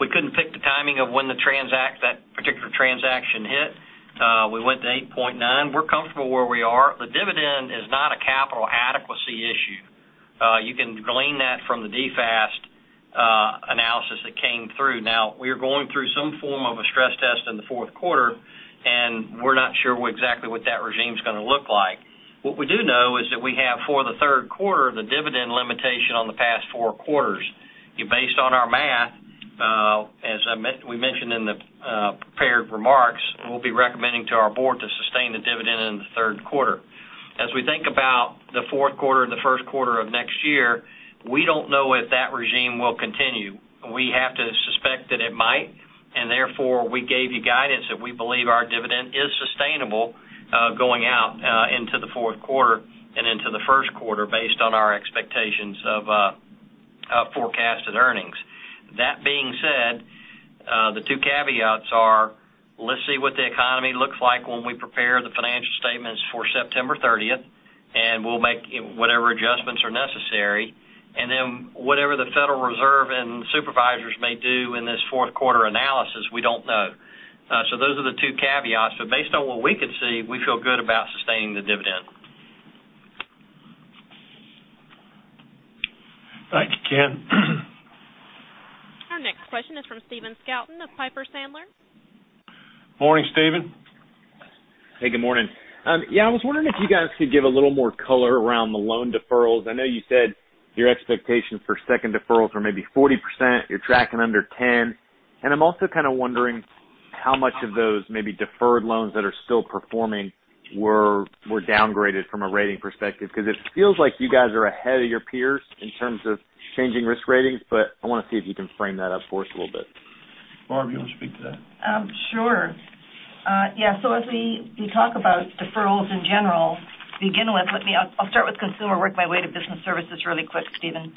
We couldn't pick the timing of when that particular transaction hit. We went to 8.9. We're comfortable where we are. The dividend is not a capital adequacy issue. You can glean that from the DFAST analysis that came through. We are going through some form of a stress test in the fourth quarter, and we're not sure exactly what that regime's going to look like. What we do know is that we have for the third quarter, the dividend limitation on the past four quarters. Based on our math, as we mentioned in the prepared remarks, we'll be recommending to our board to sustain the dividend in the third quarter. As we think about the fourth quarter and the first quarter of next year, we don't know if that regime will continue. We have to suspect that it might, and therefore, we gave you guidance that we believe our dividend is sustainable going out quarter and into the first quarter based on our expectations of forecasted earnings. That being said, the two caveats are, let's see what the economy looks like when we prepare the financial statements for September 30th, and we'll make whatever adjustments are necessary. Then whatever the Federal Reserve and supervisors may do in this fourth quarter analysis, we don't know. Those are the two caveats, but based on what we can see, we feel good about sustaining the dividend. Thank you, Ken. Our next question is from Stephen Scouten of Piper Sandler. Morning, Stephen. Hey, good morning. Yeah, I was wondering if you guys could give a little more color around the loan deferrals. I know you said your expectations for 2nd deferrals were maybe 40%, you're tracking under 10. I'm also kind of wondering how much of those maybe deferred loans that are still performing were downgraded from a rating perspective, because it feels like you guys are ahead of your peers in terms of changing risk ratings, but I want to see if you can frame that up for us a little bit. Barb, you want to speak to that? Sure. Yeah, as we talk about deferrals in general, to begin with, I'll start with consumer, work my way to business services really quick, Stephen.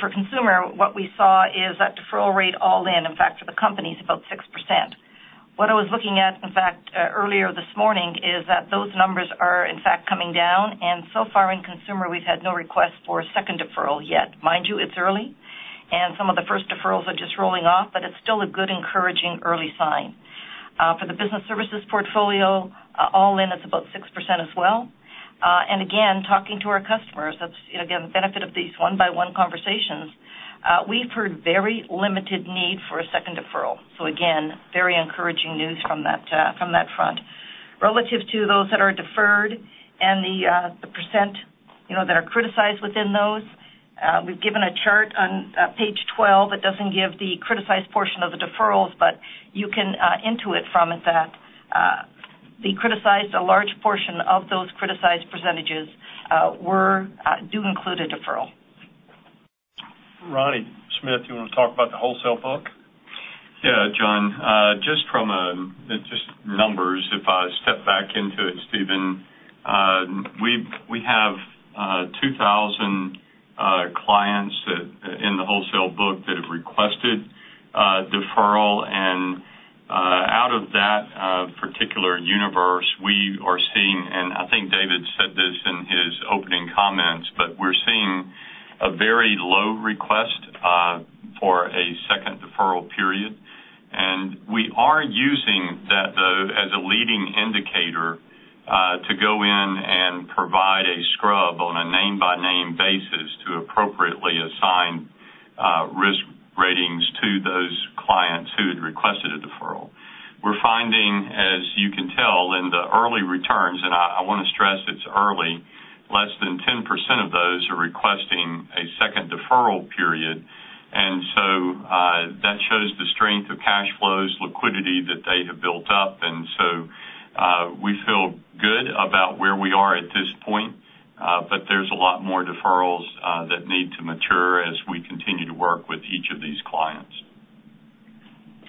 For consumer, what we saw is that deferral rate all in fact, for the company is about 6%. What I was looking at, in fact, earlier this morning, is that those numbers are in fact coming down, so far in consumer, we've had no request for a second deferral yet. Mind you, it's early, some of the first deferrals are just rolling off, it's still a good encouraging early sign. For the business services portfolio, all in, it's about 6% as well. Again, talking to our customers, that's the benefit of these one-by-one conversations, we've heard very limited need for a second deferral. Again, very encouraging news from that front. Relative to those that are deferred and the % that are criticized within those, we've given a chart on page 12 that doesn't give the criticized portion of the deferrals, but you can intuit from it that a large portion of those criticized % do include a deferral. Ronnie Smith, you want to talk about the wholesale book? Yeah, John. Just numbers, if I step back into it, Stephen. We have 2,000 clients in the wholesale book that have requested deferral. Out of that particular universe, we are seeing, I think David said this in his opening comments, we're seeing a very low request for a second deferral period. We are using that, though, as a leading indicator to go in and provide a scrub on a name-by-name basis to appropriately assign risk ratings to those clients who had requested a deferral. We're finding, as you can tell in the early returns, I want to stress it's early, less than 10% of those are requesting a second deferral period. That shows the strength of cash flows, liquidity that they have built up. We feel good about where we are at this point. There's a lot more deferrals that need to mature as we continue to work with each of these clients.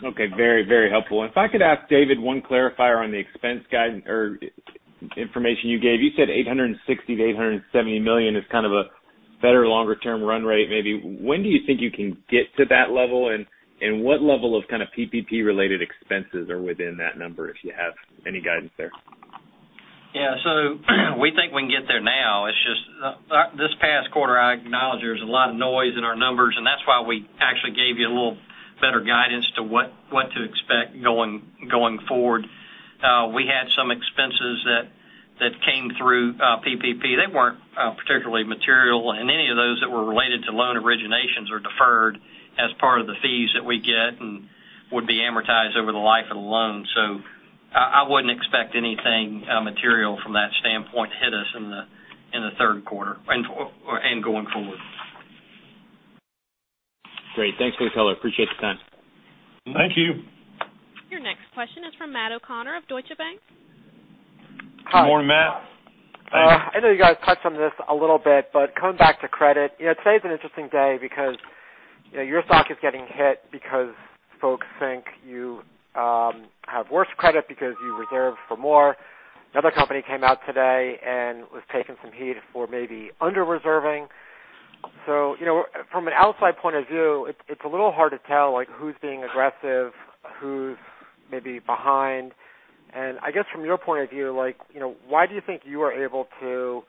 Okay. Very helpful. If I could ask David one clarifier on the expense guide or information you gave. You said $860 million-$870 million is kind of a better longer-term run rate maybe. When do you think you can get to that level, and what level of kind of PPP related expenses are within that number, if you have any guidance there? Yeah. We think we can get there now. It's just this past quarter, I acknowledge there's a lot of noise in our numbers, and that's why we actually gave you a little better guidance to what to expect going forward. We had some expenses that came through PPP. They weren't particularly material, and any of those that were related to loan originations are deferred as part of the fees that we get and would be amortized over the life of the loan. I wouldn't expect anything material from that standpoint to hit us in the third quarter and going forward. Great. Thanks for the color. Appreciate the time. Thank you. Your next question is from Matt O'Connor of Deutsche Bank. Good morning, Matt. Hi. I know you guys touched on this a little bit, coming back to credit, today's an interesting day because your stock is getting hit because folks think you have worse credit because you reserved for more. Another company came out today and was taking some heat for maybe under-reserving. From an outside point of view, it's a little hard to tell who's being aggressive, who's maybe behind. I guess from your point of view, why do you think you are able to kind of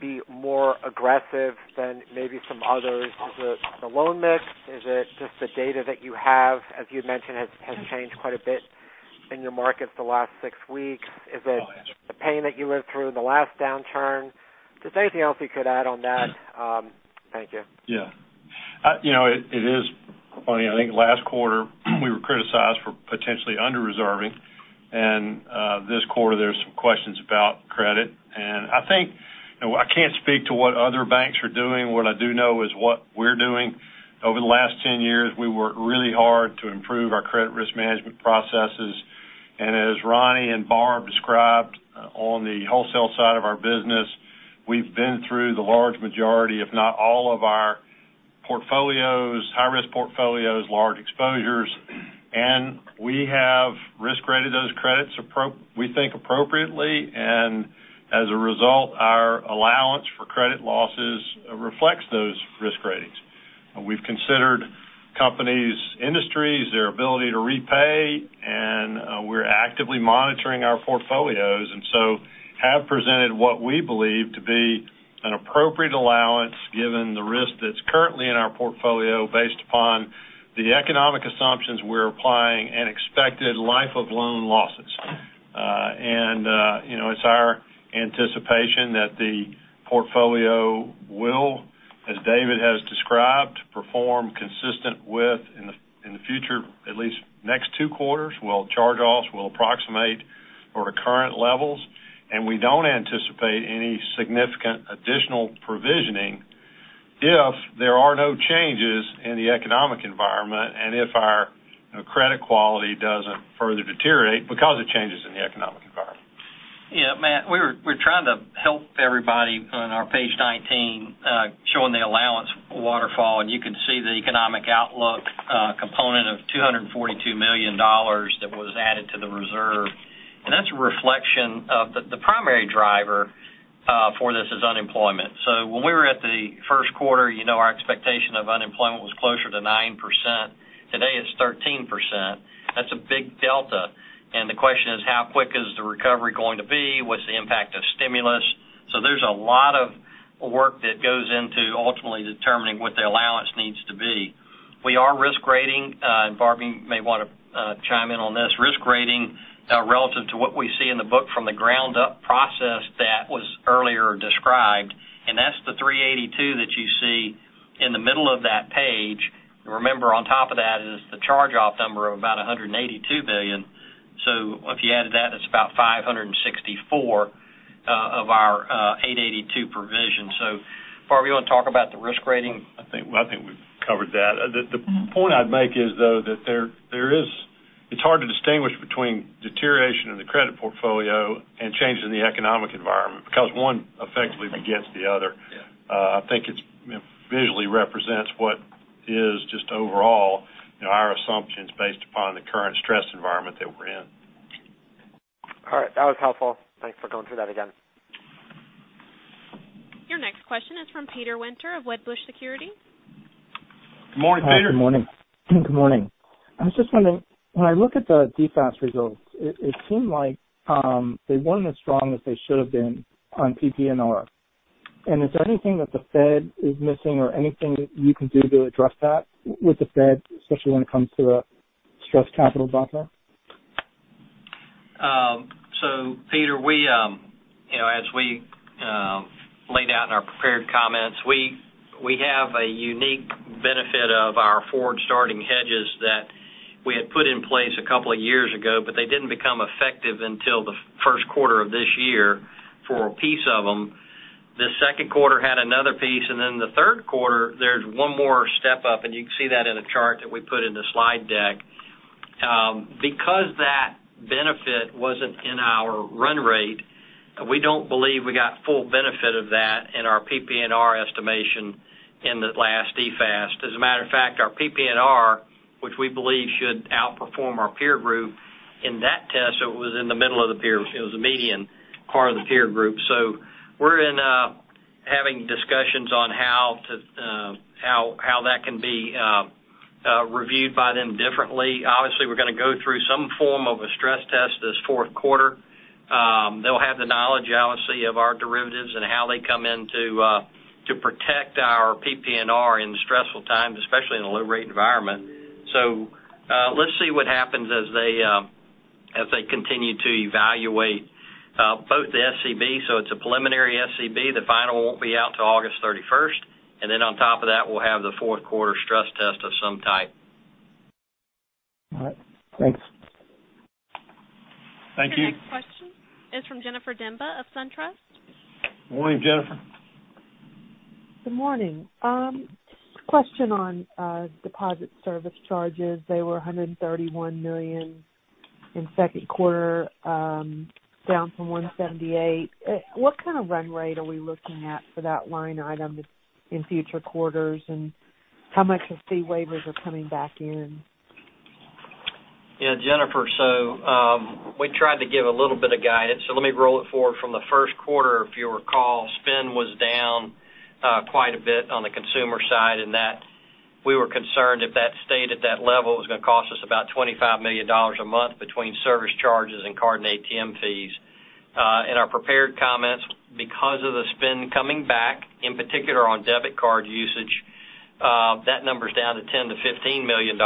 be more aggressive than maybe some others? Is it the loan mix? Is it just the data that you have, as you'd mentioned, has changed quite a bit in your markets the last six weeks? Is it the pain that you lived through in the last downturn? Just anything else you could add on that. Thank you. Yeah. It is funny. I think last quarter we were criticized for potentially under-reserving, and this quarter there's some questions about credit. I think I can't speak to what other banks are doing. What I do know is what we're doing. Over the last 10 years, we worked really hard to improve our credit risk management processes. As Ronnie and Barb described on the wholesale side of our business, we've been through the large majority, if not all of our portfolios, high-risk portfolios, large exposures, and we have risk-rated those credits, we think appropriately, and as a result, our allowance for credit losses reflects those risk ratings. We've considered companies, industries, their ability to repay, and we're actively monitoring our portfolios. Have presented what we believe to be an appropriate allowance given the risk that's currently in our portfolio based upon the economic assumptions we're applying and expected life of loan losses. It's our anticipation that the portfolio will, as David has described, perform consistent with, in the future, at least next two quarters, while charge-offs will approximate our current levels. We don't anticipate any significant additional provisioning if there are no changes in the economic environment, and if our credit quality doesn't further deteriorate because of changes in the economic environment. Matt, we're trying to help everybody on our page 19, showing the allowance waterfall, you can see the economic outlook component of $242 million that was added to the reserve. That's a reflection of the primary driver for this is unemployment. When we were at the first quarter, our expectation of unemployment was closer to 9%. Today it's 13%. That's a big delta. The question is, how quick is the recovery going to be? What's the impact of stimulus? There's a lot of work that goes into ultimately determining what the allowance needs to be. We are risk-rating, Barbie may want to chime in on this. Risk-rating relative to what we see in the book from the ground up process that was earlier described, that's the 382 that you see in the middle of that page. Remember, on top of that is the charge-off number of about $182 million. If you added that, it's about $564 of our $882 provision. Barbie, you want to talk about the risk rating? I think we've covered that. The point I'd make is, though, that it's hard to distinguish between deterioration in the credit portfolio and changes in the economic environment because one effectively begets the other. Yeah. I think it visually represents what is just overall our assumptions based upon the current stress environment that we're in. All right. That was helpful. Thanks for going through that again. Your next question is from Peter Winter of Wedbush Securities. Good morning, Peter. Good morning. Good morning. I was just wondering, when I look at the DFAST results, it seemed like they weren't as strong as they should have been on PPNR. Is there anything that the Fed is missing or anything that you can do to address that with the Fed, especially when it comes to a stress capital buffer? Peter, as we laid out in our prepared comments, we have a unique benefit of our forward starting hedges that we had put in place a couple of years ago, but they didn't become effective until the first quarter of this year for a piece of them. The second quarter had another piece, and then the third quarter, there's one more step up, and you can see that in a chart that we put in the slide deck. That benefit wasn't in our run rate, we don't believe we got full benefit of that in our PPNR estimation in the last DFAST. As a matter of fact, our PPNR, which we believe should outperform our peer group in that test, so it was in the middle of the peer, it was the median part of the peer group. We're having discussions on how that can be reviewed by them differently. Obviously, we're going to go through some form of a stress test this fourth quarter. They'll have the knowledge, obviously, of our derivatives and how they come in to protect our PPNR in stressful times, especially in a low rate environment. Let's see what happens as they continue to evaluate both the SCB. It's a preliminary SCB. The final won't be out till August 31st. On top of that, we'll have the fourth quarter stress test of some type. All right. Thanks. Thank you. Your next question is from Jennifer Demba of SunTrust. Morning, Jennifer. Good morning. Question on deposit service charges. They were $131 million in second quarter, down from $178 million. What kind of run rate are we looking at for that line item in future quarters, and how much of fee waivers are coming back in? Jennifer, we tried to give a little bit of guidance. Let me roll it forward from the first quarter. If you recall, spend was down quite a bit on the consumer side, and that we were concerned if that stayed at that level, it was going to cost us about $25 million a month between service charges and card and ATM fees. In our prepared comments, because of the spend coming back, in particular on debit card usage, that number's down to $10 million-$15 million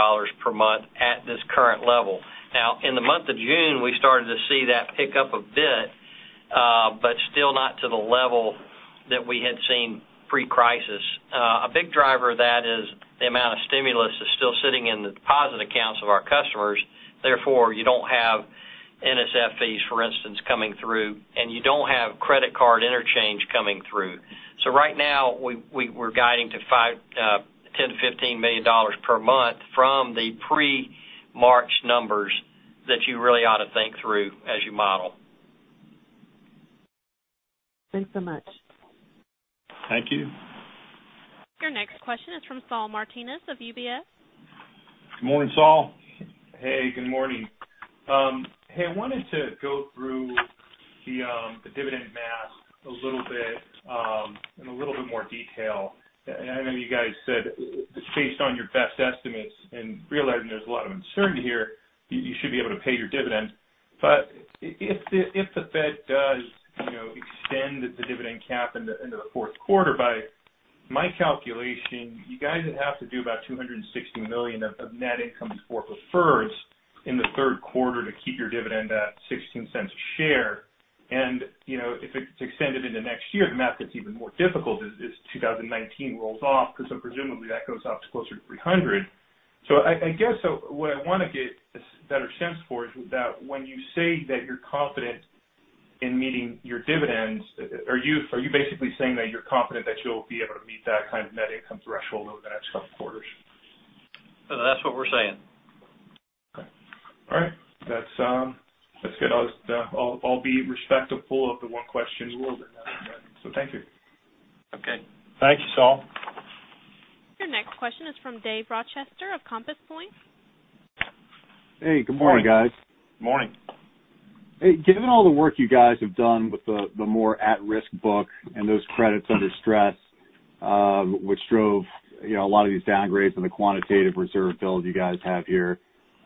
per month at this current level. In the month of June, we started to see that pick up a bit but still not to the level that we had seen pre-crisis. A big driver of that is the amount of stimulus that's still sitting in the deposit accounts of our customers. You don't have NSF fees, for instance, coming through, and you don't have credit card interchange coming through. Right now, we're guiding to $10 million-$15 million per month from the pre-March numbers that you really ought to think through as you model. Thanks so much. Thank you. Your next question is from Saul Martinez of UBS. Good morning, Saul. Good morning. I wanted to go through the dividend math a little bit, in a little bit more detail. I know you guys said it's based on your best estimates and realizing there's a lot of uncertainty here, you should be able to pay your dividend. If the Fed does extend the dividend cap into the fourth quarter, by my calculation, you guys would have to do about $260 million of net income for preferreds in the third quarter to keep your dividend at $0.16 a share. If it's extended into next year, the math gets even more difficult as 2019 rolls off, because presumably that goes out to closer to $300 million. I guess what I want to get a better sense for is that when you say that you're confident in meeting your dividends, are you basically saying that you're confident that you'll be able to meet that kind of net income threshold over the next couple of quarters? That's what we're saying. Okay. All right. That's good. I'll be respectful of the one question rule, so thank you. Okay. Thank you, Saul. Your next question is from Dave Rochester of Compass Point. Hey, good morning, guys. Morning. Hey, given all the work you guys have done with the more at-risk book and those credits under stress, which drove a lot of these downgrades and the quantitative reserve build you guys have here,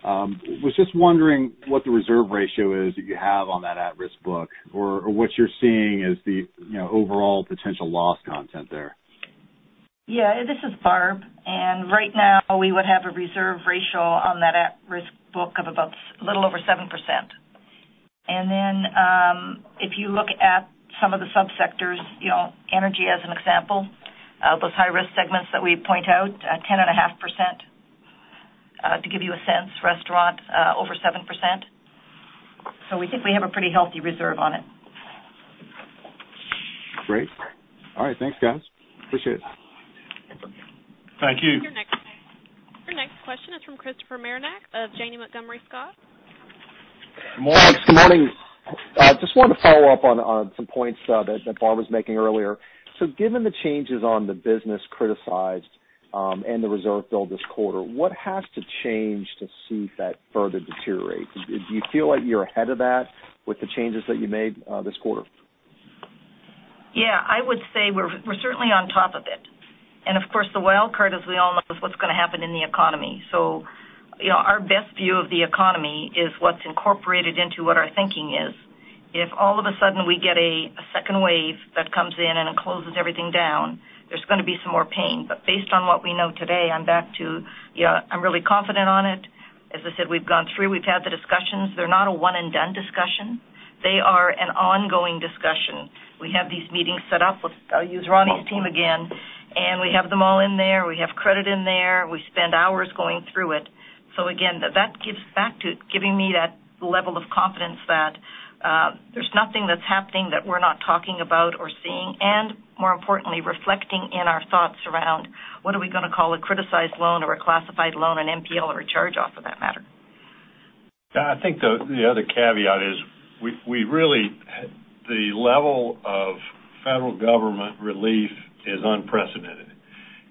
was just wondering what the reserve ratio is that you have on that at-risk book or what you're seeing as the overall potential loss content there? Yeah, this is Barb. Right now we would have a reserve ratio on that at-risk book of about a little over 7%. If you look at some of the sub-sectors, energy as an example, those high-risk segments that we point out, 10.5%, to give you a sense. Restaurant, over 7%. We think we have a pretty healthy reserve on it. Great. All right. Thanks, guys. Appreciate it. Thank you. Your next question is from Christopher Marinac of Janney Montgomery Scott. Morning. Just wanted to follow up on some points that Barb was making earlier. Given the changes on the business criticized, and the reserve build this quarter, what has to change to see that further deteriorate? Do you feel like you're ahead of that with the changes that you made this quarter? Yeah, I would say we're certainly on top of it. Of course, the wild card, as we all know, is what's going to happen in the economy. Our best view of the economy is what's incorporated into what our thinking is. If all of a sudden we get a second wave that comes in and it closes everything down, there's going to be some more pain. Based on what we know today, I'm back to, I'm really confident on it. As I said, we've gone through, we've had the discussions. They're not a one-and-done discussion. They are an ongoing discussion. We have these meetings set up with Ronnie's team again, and we have them all in there. We have credit in there. We spend hours going through it. Again, that gives back to giving me that level of confidence that there's nothing that's happening that we're not talking about or seeing, and more importantly, reflecting in our thoughts around what are we going to call a criticized loan or a classified loan, an NPL or a charge-off for that matter. Yeah, I think the other caveat is the level of federal government relief is unprecedented,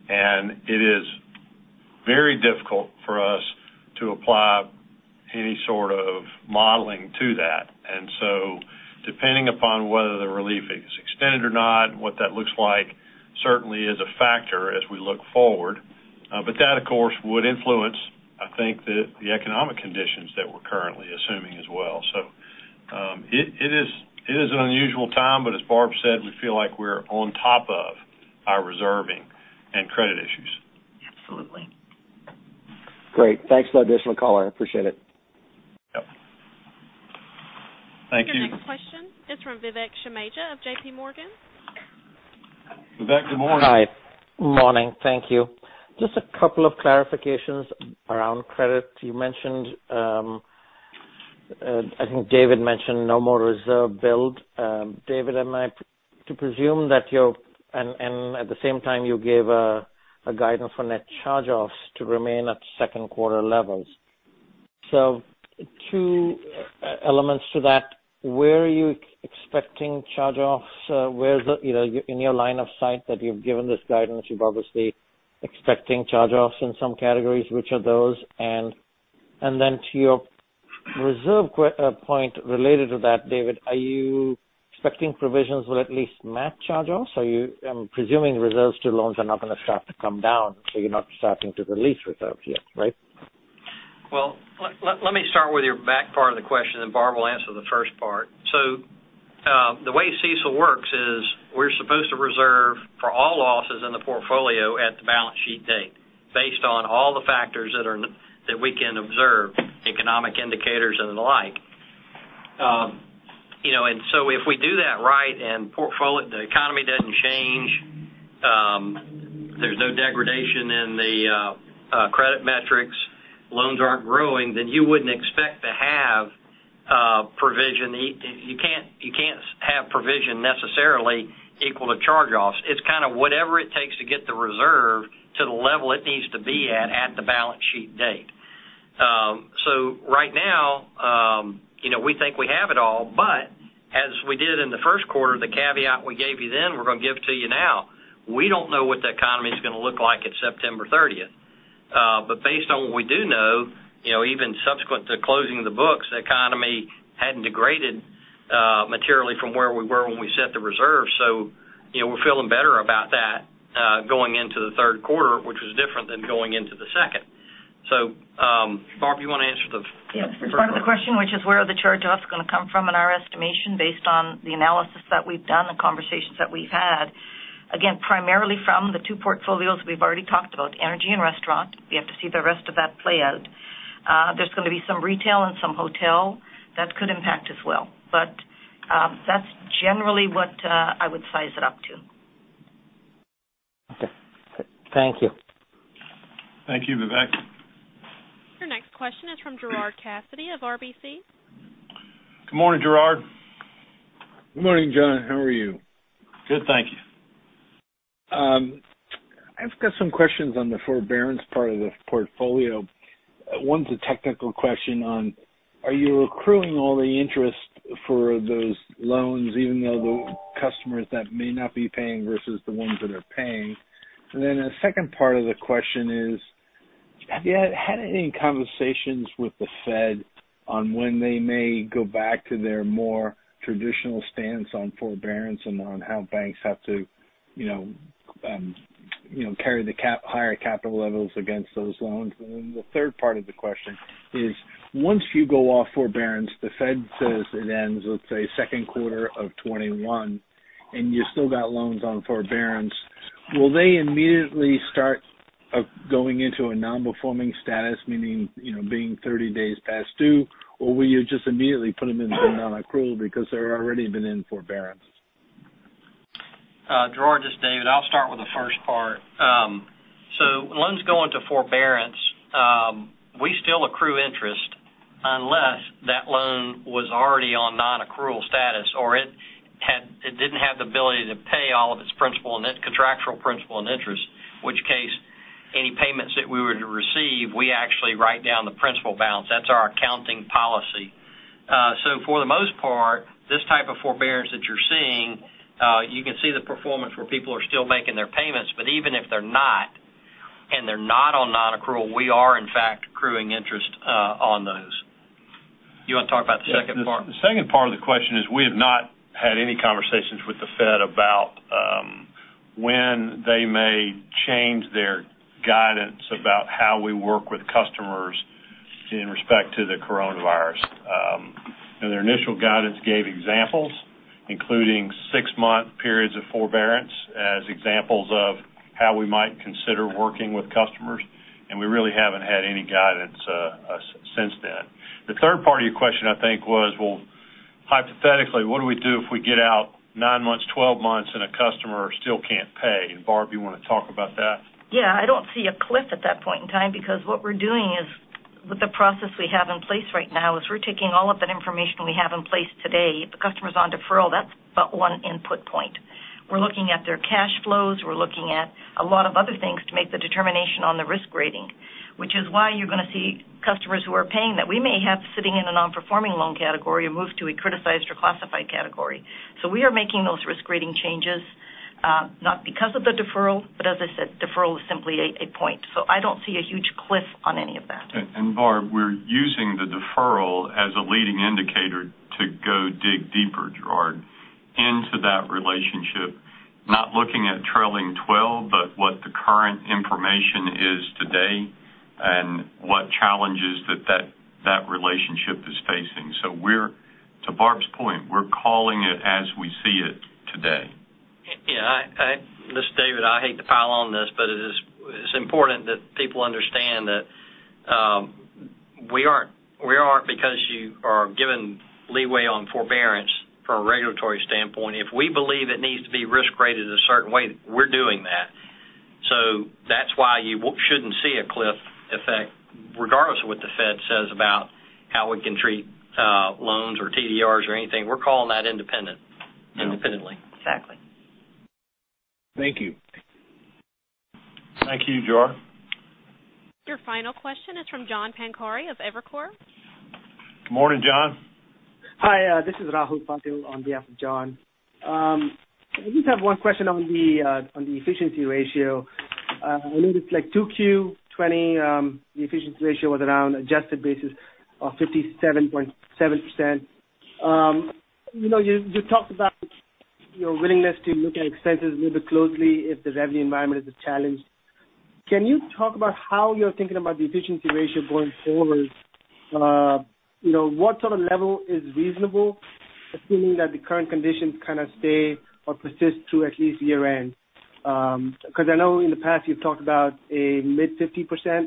and it is very difficult for us to apply any sort of modeling to that. Depending upon whether the relief is extended or not, what that looks like certainly is a factor as we look forward. That, of course, would influence, I think, the economic conditions that we're currently assuming as well. It is an unusual time, but as Barb said, we feel like we're on top of our reserving and credit issues. Absolutely. Great. Thanks for the additional color. I appreciate it. Yep. Thank you. Your next question is from Vivek Juneja of JPMorgan. Vivek, good morning. Hi. Morning. Thank you. Just a couple of clarifications around credit. You mentioned, I think David mentioned no more reserve build. David, am I to presume that you're-- and at the same time you gave a guidance for net charge-offs to remain at second quarter levels. Two elements to that. Where are you expecting charge-offs? Where's it in your line of sight that you've given this guidance, you're obviously expecting charge-offs in some categories, which are those? To your reserve point related to that, David, are you expecting provisions will at least match charge-offs? Are you presuming reserves to loans are not going to start to come down, so you're not starting to release reserves yet, right? Let me start with your back part of the question, then Barb will answer the first part. The way CECL works is we're supposed to reserve for all losses in the portfolio at the balance sheet date based on all the factors that we can observe, economic indicators and the like. If we do that right and the economy doesn't change, there's no degradation in the credit metrics, loans aren't growing, then you wouldn't expect to have provision. You can't have provision necessarily equal to charge-offs. It's kind of whatever it takes to get the reserve to the level it needs to be at the balance sheet date. Right now, we think we have it all, but as we did in the first quarter, the caveat we gave you then, we're going to give to you now. We don't know what the economy is going to look like at September 30th. Based on what we do know, even subsequent to closing the books, the economy hadn't degraded materially from where we were when we set the reserve. We're feeling better about that going into the third quarter, which was different than going into the second. Barb, you want to answer the first part? Yes. The first part of the question, which is where are the charge-offs going to come from in our estimation based on the analysis that we've done and conversations that we've had. Primarily from the two portfolios we've already talked about, energy and restaurant. We have to see the rest of that play out. There's going to be some retail and some hotel that could impact as well. That's generally what I would size it up to. Okay. Thank you. Thank you, Vivek. Your next question is from Gerard Cassidy of RBC. Good morning, Gerard. Good morning, John. How are you? Good, thank you. I've got some questions on the forbearance part of the portfolio. One's a technical question on, are you accruing all the interest for those loans, even though the customers that may not be paying versus the ones that are paying? A second part of the question is, have you had any conversations with the Fed on when they may go back to their more traditional stance on forbearance and on how banks have to carry the higher capital levels against those loans? The third part of the question is, once you go off forbearance, the Fed says it ends, let's say, second quarter of 2021, and you still got loans on forbearance. Will they immediately start going into a non-performing status, meaning, being 30 days past due, or will you just immediately put them into non-accrual because they're already been in forbearance? Gerard, just David. I'll start with the first part. Loans go into forbearance, we still accrue interest unless that loan was already on non-accrual status, or it didn't have the ability to pay all of its contractual principal and interest, in which case, any payments that we were to receive, we actually write down the principal balance. That's our accounting policy. For the most part, this type of forbearance that you're seeing, you can see the performance where people are still making their payments, but even if they're not, and they're not on non-accrual, we are in fact accruing interest on those. You want to talk about the second part? The second part of the question is we have not had any conversations with the Fed about when they may change their guidance about how we work with customers in respect to the coronavirus. Their initial guidance gave examples, including six-month periods of forbearance as examples of how we might consider working with customers, and we really haven't had any guidance since then. The third part of your question, I think was, well, hypothetically, what do we do if we get out nine months, 12 months, and a customer still can't pay? Barb, you want to talk about that? Yeah, I don't see a cliff at that point in time because what we're doing is with the process we have in place right now is we're taking all of that information we have in place today. If a customer's on deferral, that's but one input point. We're looking at their cash flows. We're looking at a lot of other things to make the determination on the risk rating, which is why you're going to see customers who are paying that we may have sitting in a non-performing loan category or moved to a criticized or classified category. We are making those risk rating changes, not because of the deferral, but as I said, deferral is simply a point. I don't see a huge cliff on any of that. Barb, we're using the deferral as a leading indicator to go dig deeper, Gerard, into that relationship, not looking at trailing 12 but what the current information is today and what challenges that relationship is facing. To Barb's point, we're calling it as we see it today. Yeah. This is David. I hate to pile on this, but it's important that people understand that we aren't because you are given leeway on forbearance from a regulatory standpoint. If we believe it needs to be risk-rated a certain way, we're doing that. That's why you shouldn't see a cliff effect regardless of what the Fed says about how we can treat loans or TDRs or anything. We're calling that independently. Exactly. Thank you. Thank you, Gerard. Your final question is from John Pancari of Evercore. Good morning, John. Hi, this is Rahul Patil on behalf of John. I just have one question on the efficiency ratio. I believe it's like Q2 2020, the efficiency ratio was around adjusted basis of 57.7%. You talked about your willingness to look at expenses a little bit closely if the revenue environment is a challenge. Can you talk about how you're thinking about the efficiency ratio going forward? What sort of level is reasonable, assuming that the current conditions kind of stay or persist through at least year-end? I know in the past you've talked about a mid-50%.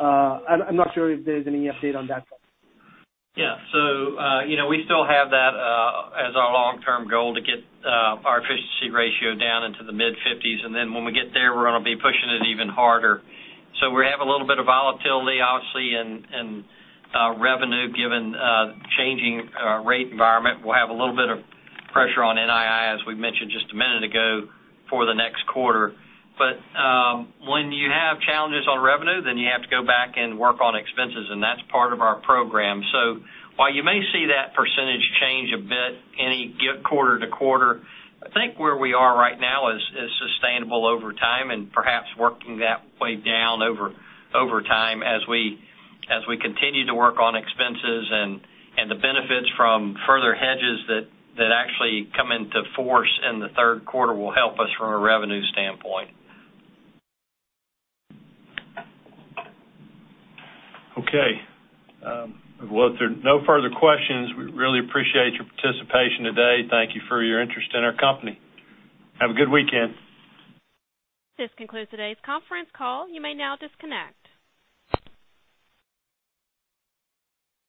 I'm not sure if there's any update on that front. Yeah. We still have that as our long-term goal to get our efficiency ratio down into the mid-50s. When we get there, we're going to be pushing it even harder. We have a little bit of volatility, obviously, in revenue given changing rate environment. We'll have a little bit of pressure on NII, as we mentioned just a minute ago, for the next quarter. When you have challenges on revenue, then you have to go back and work on expenses, and that's part of our program. While you may see that percentage change a bit any quarter to quarter, I think where we are right now is sustainable over time and perhaps working that way down over time as we continue to work on expenses and the benefits from further hedges that actually come into force in the third quarter will help us from a revenue standpoint. Okay. Well, if there are no further questions, we really appreciate your participation today. Thank you for your interest in our company. Have a good weekend. This concludes today's conference call. You may now disconnect.